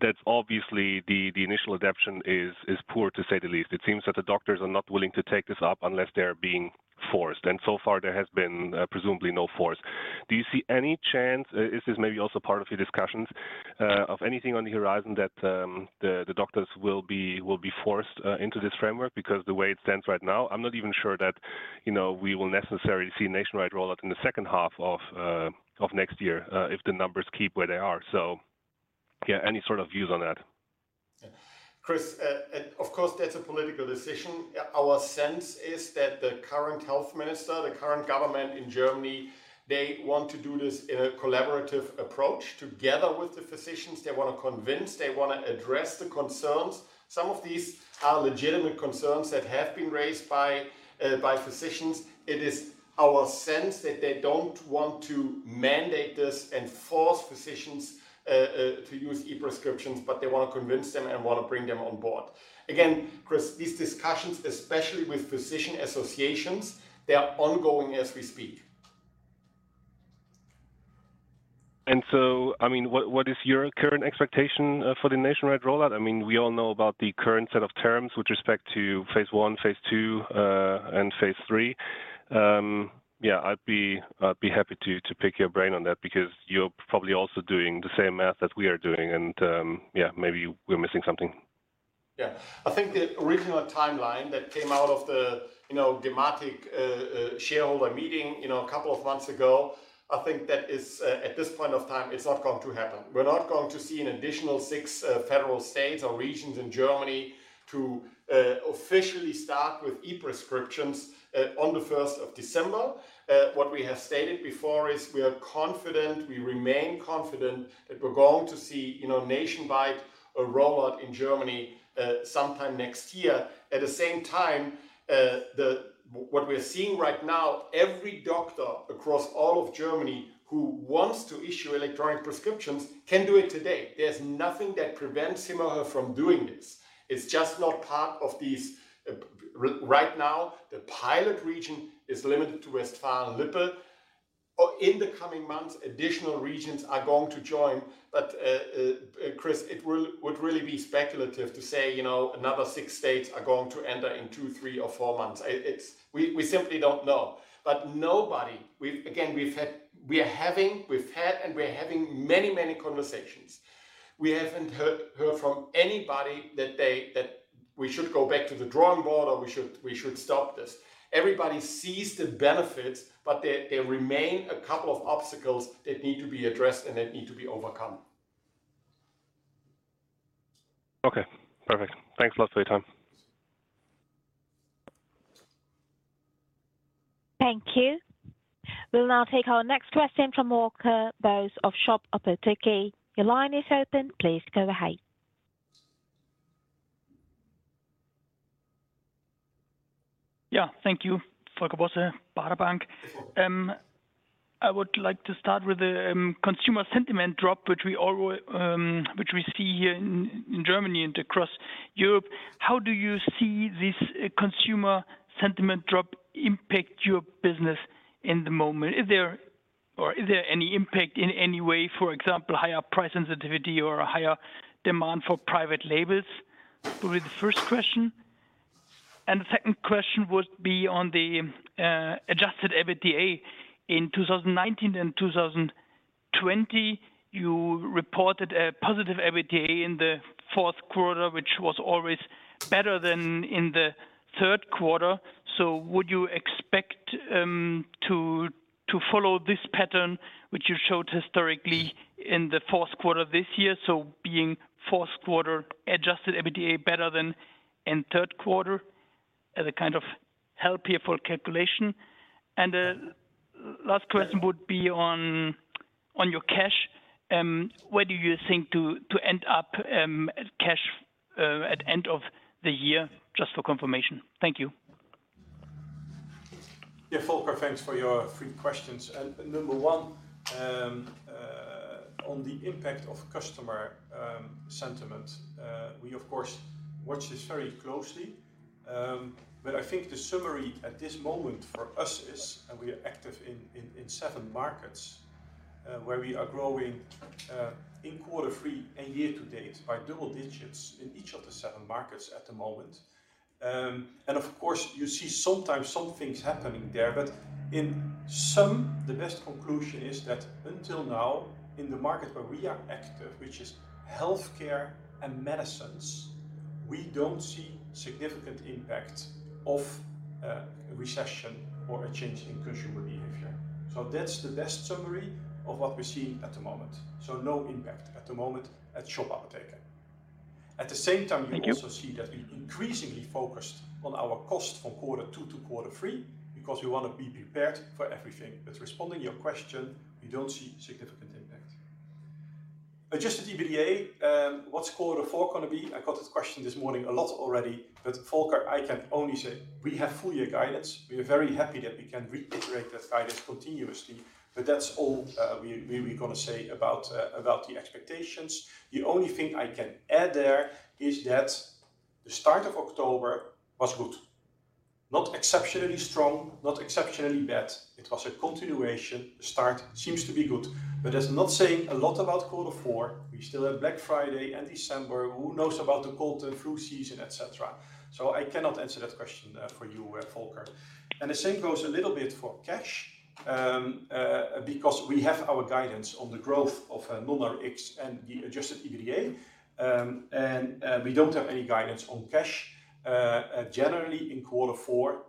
Speaker 4: That's obviously the initial adaptation is poor, to say the least. It seems that the doctors are not willing to take this up unless they're being forced, and so far there has been, presumably no force. Do you see any chance, this is maybe also part of your discussions, of anything on the horizon that, the doctors will be forced into this framework? Because the way it stands right now, I'm not even sure that, you know, we will necessarily see nationwide rollout in the second half of next year, if the numbers keep where they are. Yeah, any sort of views on that?
Speaker 1: Yeah. Chris, of course, that's a political decision. Our sense is that the current health minister, the current government in Germany, they want to do this in a collaborative approach together with the physicians. They want to convince, they want to address the concerns. Some of these are legitimate concerns that have been raised by by physicians. It is our sense that they don't want to mandate this and force physicians to use e-prescriptions, but they want to convince them and want to bring them on board. Again, Chris, these discussions, especially with physician associations, they are ongoing as we speak.
Speaker 4: I mean, what is your current expectation for the nationwide rollout? I mean, we all know about the current set of terms with respect to phase one, phase two, and phase three. Yeah, I'd be happy to pick your brain on that because you are probably also doing the same math that we are doing and, yeah, maybe we're missing something.
Speaker 1: Yeah. I think the original timeline that came out of the, you know, gematik shareholder meeting, you know, a couple of months ago, I think that is, at this point of time, it's not going to happen. We're not going to see an additional 6 federal states or regions in Germany to officially start with e-prescriptions on the first of December. What we have stated before is we are confident, we remain confident that we're going to see, you know, nationwide a rollout in Germany sometime next year. At the same time, what we are seeing right now, every doctor across all of Germany who wants to issue electronic prescriptions can do it today. There's nothing that prevents him or her from doing this. It's just not part of these. Right now, the pilot region is limited to Westfalen-Lippe. In the coming months, additional regions are going to join. Chris, it would really be speculative to say, you know, another six states are going to enter in two, three or four months. We simply don't know. Nobody. Again, we are having, we've had, and we're having many conversations. We haven't heard from anybody that we should go back to the drawing board or we should stop this. Everybody sees the benefits, but there remain a couple of obstacles that need to be addressed and that need to be overcome.
Speaker 4: Okay, perfect. Thanks a lot for your time.
Speaker 3: Thank you. We will now take our next question from Volker Bosse of Shop Apotheke. Your line is open. Please go ahead.
Speaker 5: Yeah, thank you. Volker Bosse, Baader Bank. I would like to start with the consumer sentiment drop, which we see here in Germany and across Europe. How do you see this consumer sentiment drop impact your business in the moment? Or is there any impact in any way, for example, higher price sensitivity or higher demand for private labels? Would be the first question. The second question would be on the adjusted EBITDA. In 2019 and 2020, you reported a positive EBITDA in the Q4, which was always better than in the Q3. Would you expect to follow this pattern, which you showed historically in the Q4 this year? Being Q4 adjusted EBITDA better than in Q3 as a kind of helper for calculation. The last question would be on your cash. Where do you think to end up cash at end of the year? Just for confirmation. Thank you.
Speaker 2: Yeah, Volker, thanks for your 3 questions. Number one, on the impact of customer sentiment, we of course watch this very closely. But I think the summary at this moment for us is, and we are active in 7 markets, where we are growing in quarter three and year to date by double digits in each of the 7 markets at the moment. Of course, you see sometimes some things happening there. In sum the best conclusion is that until now in the market where we are active, which is healthcare and medicines, we don't see significant impact of a recession or a change in consumer behavior. That's the best summary of what we're seeing at the moment. No impact at the moment at Shop Apotheke.
Speaker 5: Thank you.
Speaker 2: At the same time, you also see that we increasingly focused on our cost from quarter two to quarter three because we want to be prepared for everything. Responding to your question, we don't see significant impact. Adjusted EBITDA, what's quarter four gonna be? I got this question this morning a lot already. Volker, I can only say we have full year guidance. We are very happy that we can reiterate that guidance continuously, but that's all, we gonna say about the expectations. The only thing I can add there is that the start of October was good. Not exceptionally strong, not exceptionally bad. It was a continuation. The start seems to be good, but that's not saying a lot about quarter four. We still have Black Friday and December. Who knows about the cold and flu season, et cetera. I cannot answer that question for you, Volker. The same goes a little bit for cash because we have our guidance on the growth of nominal Rx and the adjusted EBITDA. We don't have any guidance on cash. Generally in quarter four,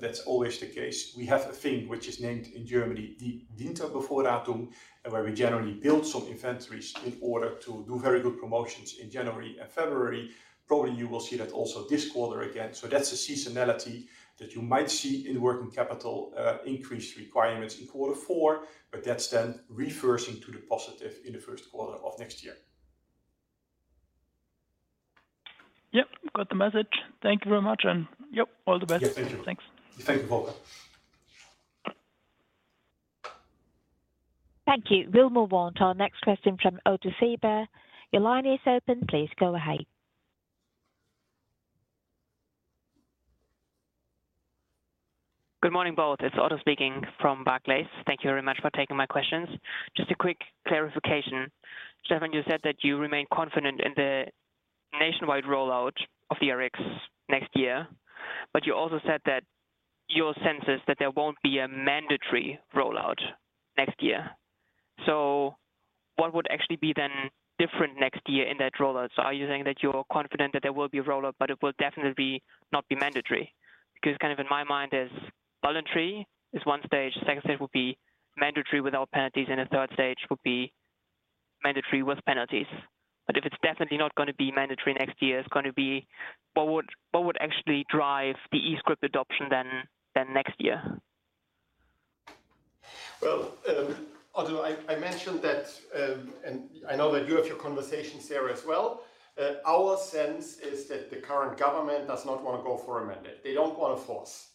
Speaker 2: that's always the case. We have a thing which is named in Germany, die Winterbevorratung, where we generally build some inventories in order to do very good promotions in January and February. Probably you will see that also this quarter again. That's a seasonality that you might see in working capital, increased requirements in quarter four, but that's then reversing to the positive in the Q1 of next year.
Speaker 5: Yep. Got the message. Thank you very much. Yep, all the best.
Speaker 2: Yeah. Thank you.
Speaker 5: Thanks.
Speaker 2: Thank you, Volker.
Speaker 3: Thank you. We'll move on to our next question from Otto Sieber. Your line is open. Please go ahead.
Speaker 6: Good morning, both. It's Otto speaking from Barclays. Thank you very much for taking my questions. Just a quick clarification. Stefan, you said that you remain confident in the nationwide rollout of the Rx next year, but you also said that your sense is that there won't be a mandatory rollout next year. What would actually be then different next year in that rollout? Are you saying that you're confident that there will be a rollout, but it will definitely not be mandatory? Because kind of in my mind is voluntary is one stage, the second stage would be mandatory without penalties, and the third stage would be mandatory with penalties. If it's definitely not gonna be mandatory next year, what would actually drive the eRx adoption then next year?
Speaker 1: Well, Otto, I mentioned that, and I know that you have your conversations there as well. Our sense is that the current government does not wanna go for a mandate. They don't want to force.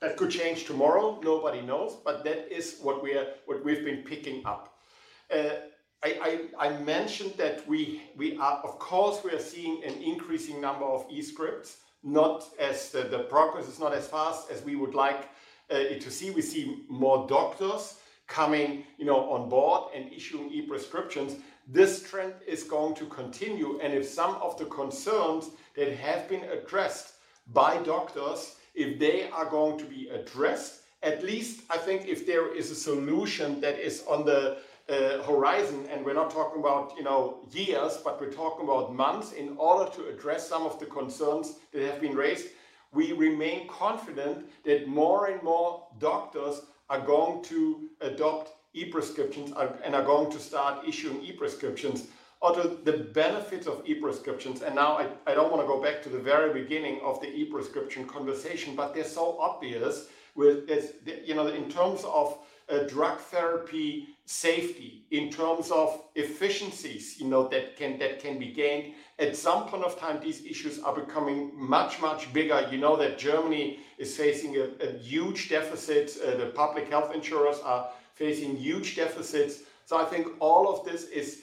Speaker 1: That could change tomorrow. Nobody knows. That is what we've been picking up. I mentioned that we are, of course, seeing an increasing number of e-prescriptions. The progress is not as fast as we would like to see it. We see more doctors coming, you know, on board and issuing e-prescriptions. This trend is going to continue and if some of the concerns that have been addressed by doctors, if they are going to be addressed, at least I think if there is a solution that is on the horizon and we're not talking about, you know, years, but we are talking about months in order to address some of the concerns that have been raised. We remain confident that more and more doctors are going to adopt e-prescriptions and are going to start issuing e-prescriptions. Although the benefits of e-prescriptions, and now I don't wanna go back to the very beginning of the e-prescription conversation, but they're so obvious with this. You know, in terms of drug therapy safety, in terms of efficiencies, you know that can be gained. At some point of time, these issues are becoming much bigger. You know that Germany is facing a huge deficit. The public health insurers are facing huge deficits. I think all of this is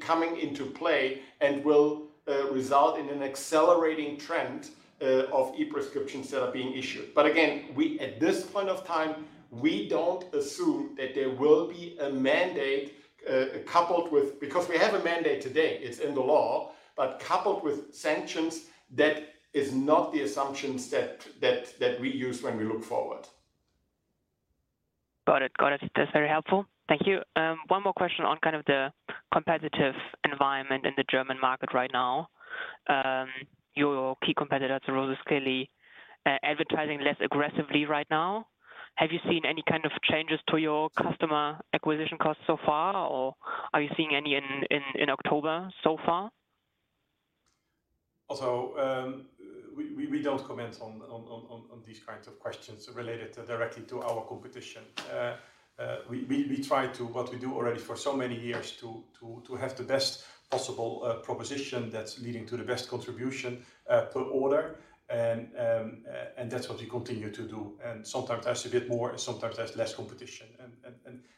Speaker 1: coming into play and will result in an accelerating trend of e-prescriptions that are being issued. But again, at this point of time, we don't assume that there will be a mandate coupled with. Because we have a mandate today, it's in the law, but coupled with sanctions, that is not the assumptions that we use when we look forward.
Speaker 6: Got it. That's very helpful. Thank you. One more question on kind of the competitive environment in the German market right now. Your key competitor, Rosspelly advertising less aggressively right now. Have you seen any kind of changes to your customer acquisition costs so far, or are you seeing any in October so far?
Speaker 2: We don't comment on these kinds of questions related directly to our competition. What we do already for so many years to have the best possible proposition that is leading to the best contribution per order and that's what we continue to do. Sometimes there's a bit more and sometimes there is less competition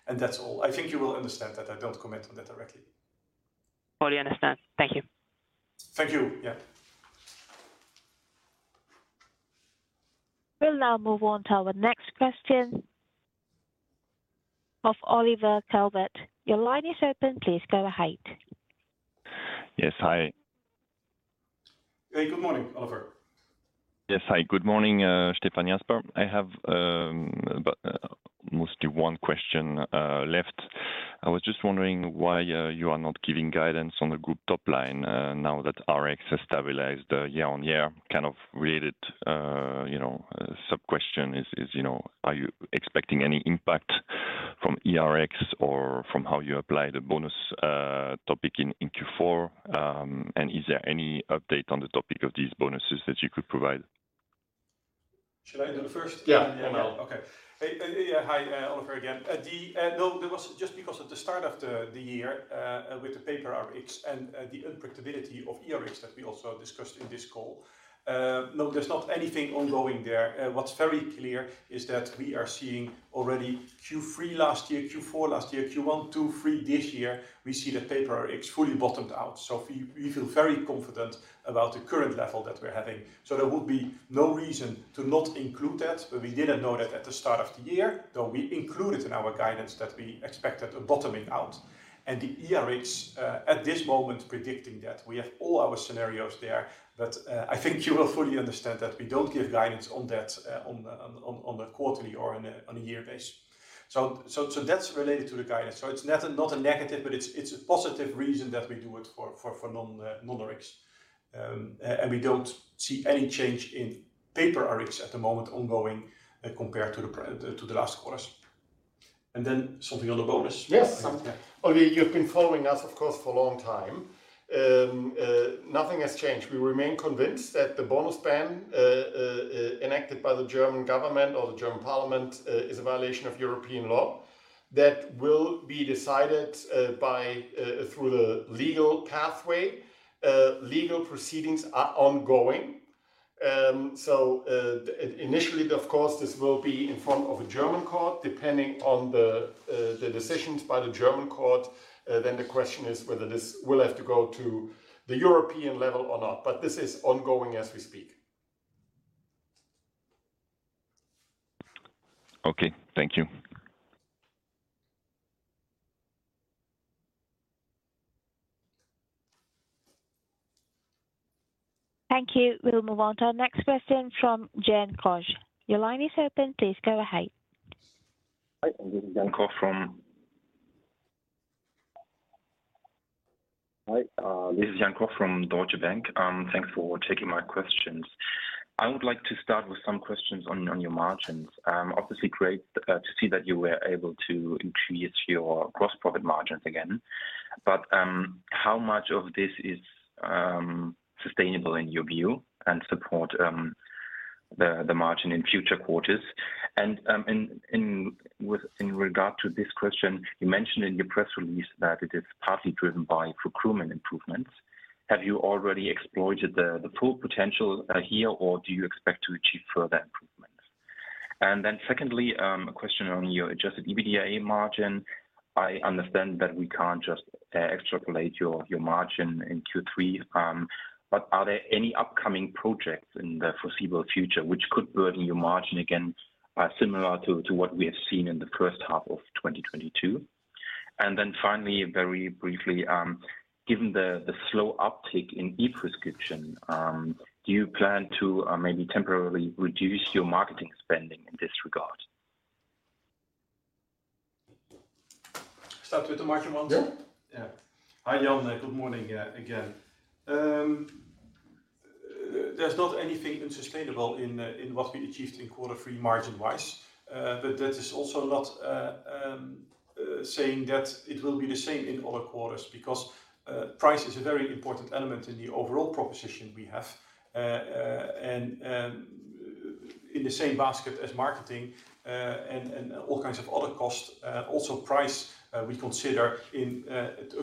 Speaker 2: and that's all. I think you will understand that I don't comment on that directly.
Speaker 6: Fully understand. Thank you.
Speaker 2: Thank you. Yeah.
Speaker 3: We'll now move on to our next question of Olivier Calvet. Your line is open. Please go ahead.
Speaker 7: Yes. Hi.
Speaker 1: Hey, good morning, Olivier.
Speaker 7: Yes. Hi, good morning, Stefan Jasper. I have about mostly one question left. I was just wondering why you are not giving guidance on the group top line now that RX has stabilized year-on-year. Kind of related, you know, sub question is you know are you expecting any impact from eRx or from how you apply the bonus topic in Q4? And is there any update on the topic of these bonuses that you could provide?
Speaker 2: Should I do the first?
Speaker 1: Yeah.
Speaker 2: Okay. Hey, yeah. Hi, Oliver again. No, there was just because at the start of the year with the paper Rx and the unpredictability of eRx that we also discussed in this call. No, there's not anything ongoing there. What's very clear is that we are seeing already Q3 last year, Q4 last year, Q1, Q2, Q3 this year, we see the paper Rx fully bottomed out. We feel very confident about the current level that we're having. There will be no reason to not include that, but we didn't know that at the start of the year, though we included in our guidance that we expected a bottoming out. The eRx at this moment predicting that. We have all our scenarios there, but I think you will fully understand that we don't give guidance on that, on the quarterly or on a year basis. That's related to the guidance. It's not a negative, but it's a positive reason that we do it for non-Rx. We don't see any change in paper Rx at the moment ongoing, compared to the last quarter. Then something on the bonus.
Speaker 1: Yes.
Speaker 2: Yeah.
Speaker 1: You've been following us, of course, for a long time. Nothing has changed. We remain convinced that the bonus ban enacted by the German government or the German parliament is a violation of European law that will be decided through the legal pathway. Legal proceedings are ongoing. Initially, of course, this will be in front of a German court, depending on the decisions by the German court, then the question is whether this will have to go to the European level or not. This is ongoing as we speak.
Speaker 7: Okay. Thank you.
Speaker 3: Thank you. We'll move on to our next question from Jan Koch. Your line is open. Please go ahead.
Speaker 8: Hi, this is Jan Koch from Deutsche Bank. Thanks for taking my questions. I would like to start with some questions on your margins. Obviously great to see that you were able to increase your gross profit margins again. How much of this is sustainable in your view and support the margin in future quarters? In regard to this question, you mentioned in your press release that it is partly driven by procurement improvements. Have you already exploited the full potential here or do you expect to achieve further improvements? Secondly, a question on your adjusted EBITDA margin. I understand that we can't just extrapolate your margin in Q3, but are there any upcoming projects in the foreseeable future which could burden your margin again, similar to what we have seen in the first half of 2022? Finally, very briefly given the slow uptick in e-prescription, do you plan to maybe temporarily reduce your marketing spending in this regard?
Speaker 2: Start with the margin 1.
Speaker 8: Yeah.
Speaker 2: Yeah. Hi Jan, good morning again. There's not anything unsustainable in what we achieved in quarter three margin wise. That is also not saying that it will be the same in other quarters because price is a very important element in the overall proposition we have. And in the same basket as marketing and all kinds of other costs, also price, we consider in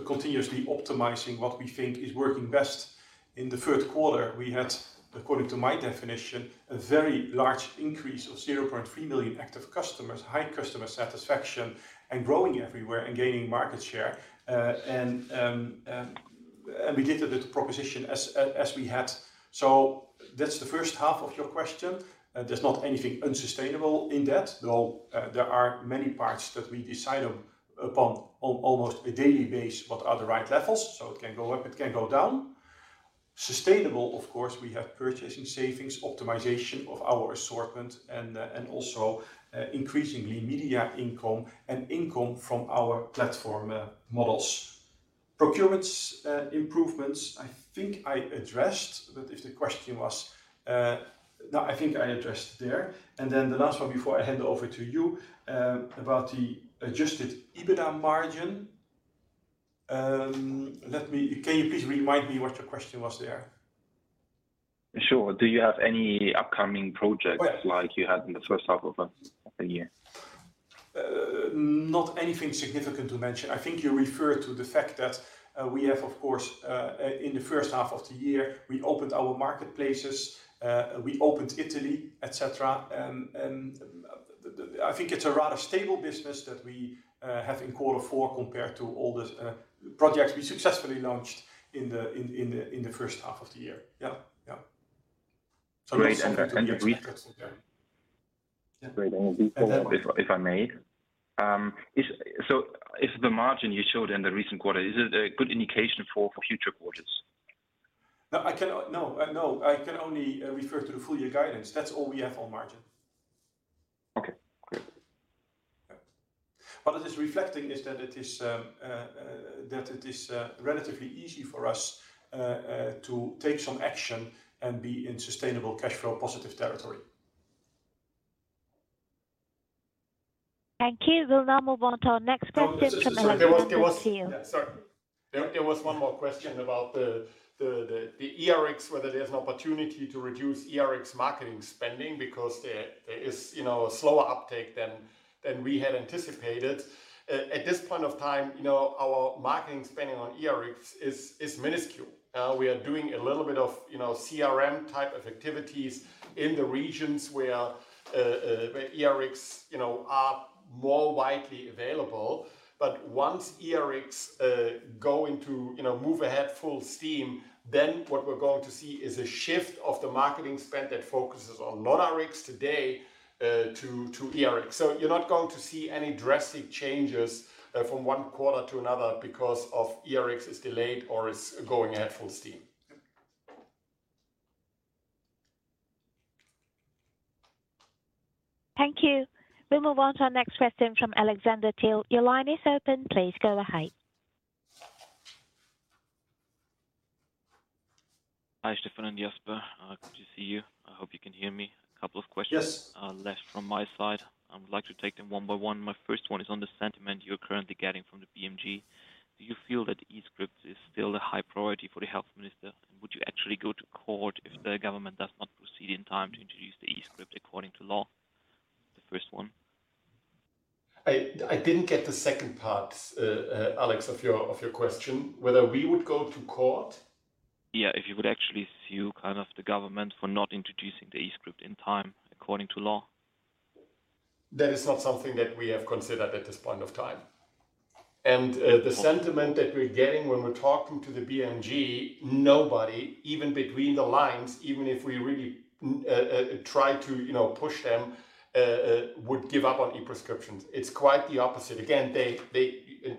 Speaker 2: continuously optimizing what we think is working best. In the Q3, we had, according to my definition, a very large increase of 0.3 million active customers, high customer satisfaction, and growing everywhere and gaining market share. And we kept a good proposition as we had. That's the first half of your question. There is not anything unsustainable in that, though, there are many parts that we decide upon on almost a daily basis, what are the right levels, so it can go up, it can go down. Sustainable of course, we have purchasing savings, optimization of our assortment, and also increasingly media income and income from our platform models. Procurement and improvements, I think I addressed, but if the question was, No, I think I addressed there. Then the last one before I hand over to you, about the adjusted EBITDA margin. Let me. Can you please remind me what your question was there?
Speaker 8: Sure. Do you have any upcoming projects?
Speaker 2: Yes...
Speaker 8: like you had in the first half of the year?
Speaker 2: Not anything significant to mention. I think you refer to the fact that we have, of course, in the first half of the year, we opened our marketplaces, we opened Italy, et cetera. I think it's a rather stable business that we have in quarter four compared to all the projects we successfully launched in the first half of the year.
Speaker 8: Great. Briefly-
Speaker 2: Yeah.
Speaker 8: Great. Briefly, if I may. Is the margin you showed in the recent quarter, is it a good indication for future quarters?
Speaker 2: No, I cannot. No, no. I can only refer to the full year guidance. That's all we have on margin.
Speaker 8: Okay, great.
Speaker 2: Yeah. What it is reflecting is that it is relatively easy for us to take some action and be in sustainable cash flow positive territory.
Speaker 3: Thank you. We'll now move on to our next question from Alexander Thiel.
Speaker 1: There was one more question about the eRx, whether there's an opportunity to reduce eRx marketing spending because there is, you know, a slower uptake than we had anticipated. At this point of time, you know, our marketing spending on eRx is minuscule. We are doing a little bit of, you know, CRM type of activities in the regions where eRx, you know, are more widely available. But once eRx go into, you know, move ahead full steam, then what we're going to see is a shift of the marketing spend that focuses on non-Rx today to eRx. So you're not going to see any drastic changes from one quarter to another because eRx is delayed or is going ahead full steam.
Speaker 3: Thank you. We'll move on to our next question from Alexander Thiel. Your line is open. Please go ahead.
Speaker 9: Hi, Stefan and Jasper. Good to see you. I hope you can hear me. Couple of questions.
Speaker 2: Yes
Speaker 9: Left from my side. I would like to take them one by one. My first one is on the sentiment you're currently getting from the BMG. Do you feel that eScript is still a high priority for the health minister? And would you actually go to court if the government does not proceed in time to introduce the eScript according to law? The first one.
Speaker 1: I didn't get the second part, Alex, of your question. Whether we would go to court?
Speaker 9: Yeah. If you would actually sue kind of the government for not introducing the eRx in time according to law.
Speaker 1: That is not something that we have considered at this point of time. The sentiment that we're getting when we're talking to the BMG, nobody, even between the lines, even if we really try to, you know, push them, would give up on e-prescriptions. It's quite the opposite. Again, they.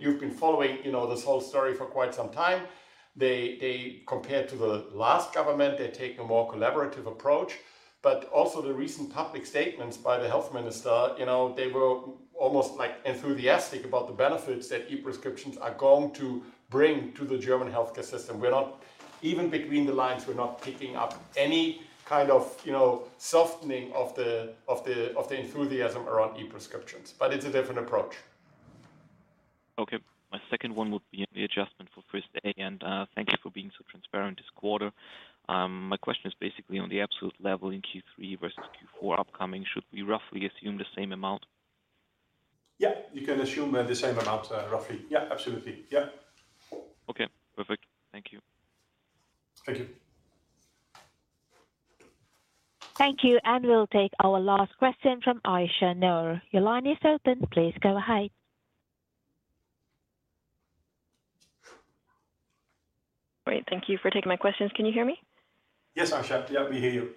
Speaker 1: You have been following, you know, this whole story for quite some time. They. Compared to the last government, they're taking a more collaborative approach. Also the recent public statements by the health minister, you know, they were almost, like enthusiastic about the benefits that e-prescriptions are going to bring to the German healthcare system. We are not. Even between the lines, we're not picking up any kind of, you know, softening of the enthusiasm around e-prescriptions, but it's a different approach.
Speaker 9: Okay. My second one would be on the adjustment for First A, and thank you for being so transparent this quarter. My question is basically on the absolute level in Q3 versus Q4 upcoming. Should we roughly assume the same amount?
Speaker 1: Yeah, you can assume the same amount, roughly. Yeah, absolutely. Yeah.
Speaker 9: Okay, perfect. Thank you.
Speaker 1: Thank you.
Speaker 3: Thank you. We'll take our last question from Aisyah Noor. Your line is open. Please go ahead.
Speaker 10: Great. Thank you for taking my questions. Can you hear me?
Speaker 1: Yes, Aisha. Yeah, we hear you.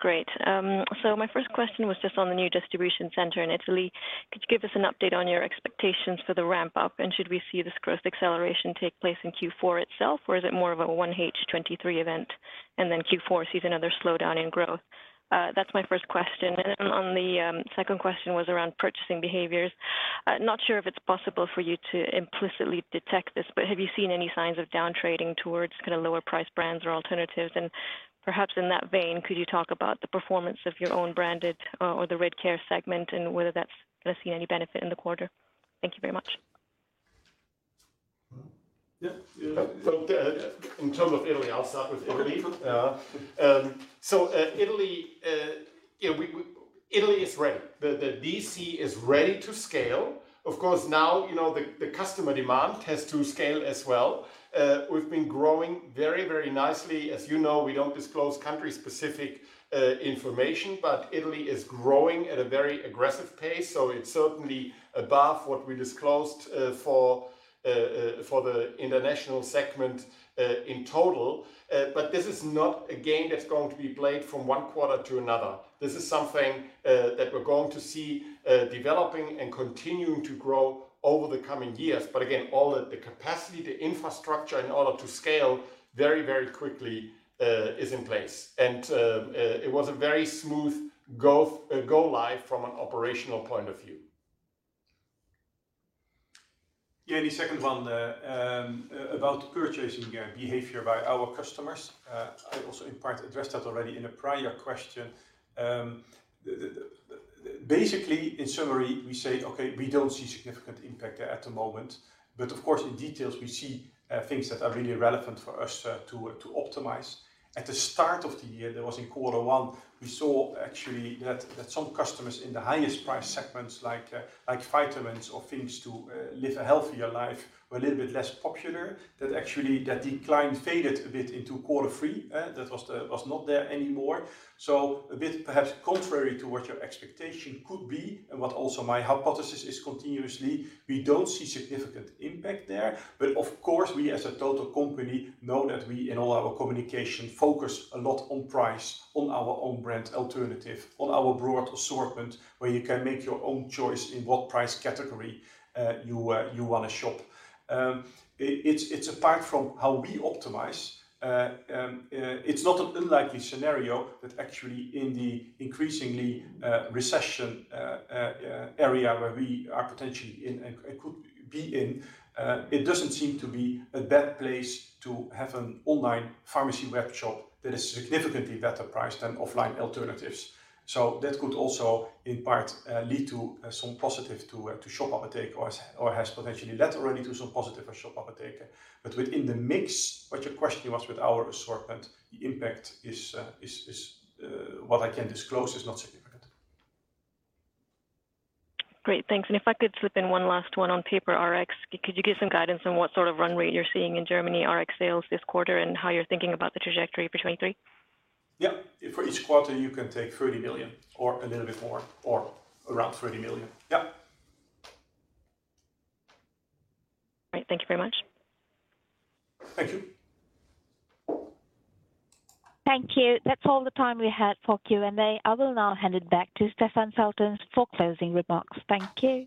Speaker 10: Great. My first question was just on the new distribution center in Italy. Could you give us an update on your expectations for the ramp up? Should we see this growth acceleration take place in Q4 itself? Is it more of a 1H 2023 event, and then Q4 sees another slowdown in growth? That's my first question. The second question was around purchasing behaviors. Not sure if it's possible for you to implicitly detect this, but have you seen any signs of down trading towards kinda lower price brands or alternatives? Perhaps in that vein, could you talk about the performance of your own branded or the Redcare segment and whether that's gonna see any benefit in the quarter? Thank you very much.
Speaker 1: In terms of Italy, I'll start with Italy. Italy is ready. The DC is ready to scale. Of course, now, you know, the customer demand has to scale as well. We've been growing very, very nicely. As you know, we don't disclose country-specific information, but Italy is growing at a very aggressive pace, so it's certainly above what we disclosed for the international segment in total. This is not a game that's going to be played from one quarter to another. This is something that we are going to see developing and continuing to grow over the coming years. Again, all the capacity, the infrastructure in order to scale very, very quickly, is in place. It was a very smooth go live from an operational point of view.
Speaker 2: Yeah, the second one, about purchasing behavior by our customers, I also in part addressed that already in a prior question. Basically, in summary, we say, "Okay, we don't see significant impact there at the moment." Of course, in detail, we see things that are really relevant for us to optimize. At the start of the year, that was in quarter one, we saw actually that some customers in the highest price segments like vitamins or things to live a healthier life were a little bit less popular. That actually that decline faded a bit into quarter three. That was not there anymore. A bit perhaps contrary to what your expectation could be and what also my hypothesis is, continuously we don't see significant impact there. Of course, we as a total company know that we in all our communication focus a lot on price, on our own brand alternative, on our broad assortment, where you can make your own choice in what price category you wanna shop. It's a part of how we optimize. It's not an unlikely scenario that actually in the increasingly recession area where we potentially are in or could be in, it doesn't seem to be a bad place to have an online pharmacy web shop that is significantly better priced than offline alternatives. That could also in part lead to some positive to Shop Apotheke or has potentially led already to some positive at Shop Apotheke. Within the mix, what your question was with our assortment, the impact is what I can disclose is not significant.
Speaker 10: Great. Thanks. If I could slip in one last one on paper Rx. Could you give some guidance on what sort of run rate you're seeing in Germany Rx sales this quarter and how you are thinking about the trajectory for 2023?
Speaker 1: Yeah. For each quarter, you can take 30 million or a little bit more or around 30 million. Yeah.
Speaker 10: Great. Thank you very much.
Speaker 1: Thank you.
Speaker 3: Thank you. That's all the time we had for Q&A. I will now hand it back to Stefan Feltens for closing remarks. Thank you.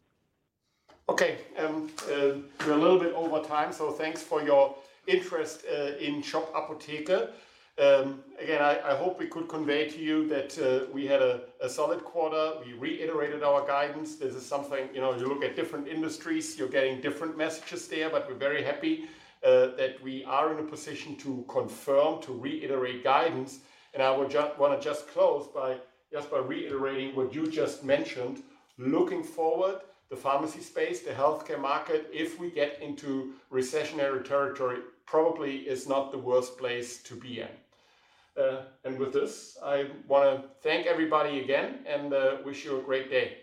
Speaker 1: Okay. We are a little bit over time, so thanks for your interest in Shop Apotheke. Again, I hope we could convey to you that we had a solid quarter. We reiterated our guidance. This is something. You know, you look at different industries, you are getting different messages there. We are very happy that we are in a position to confirm, to reiterate guidance. I would wanna just close by, just by reiterating what you just mentioned. Looking forward, the pharmacy space, the healthcare market, if we get into recessionary territory, probably is not the worst place to be in. With this, I wanna thank everybody again and wish you a great day.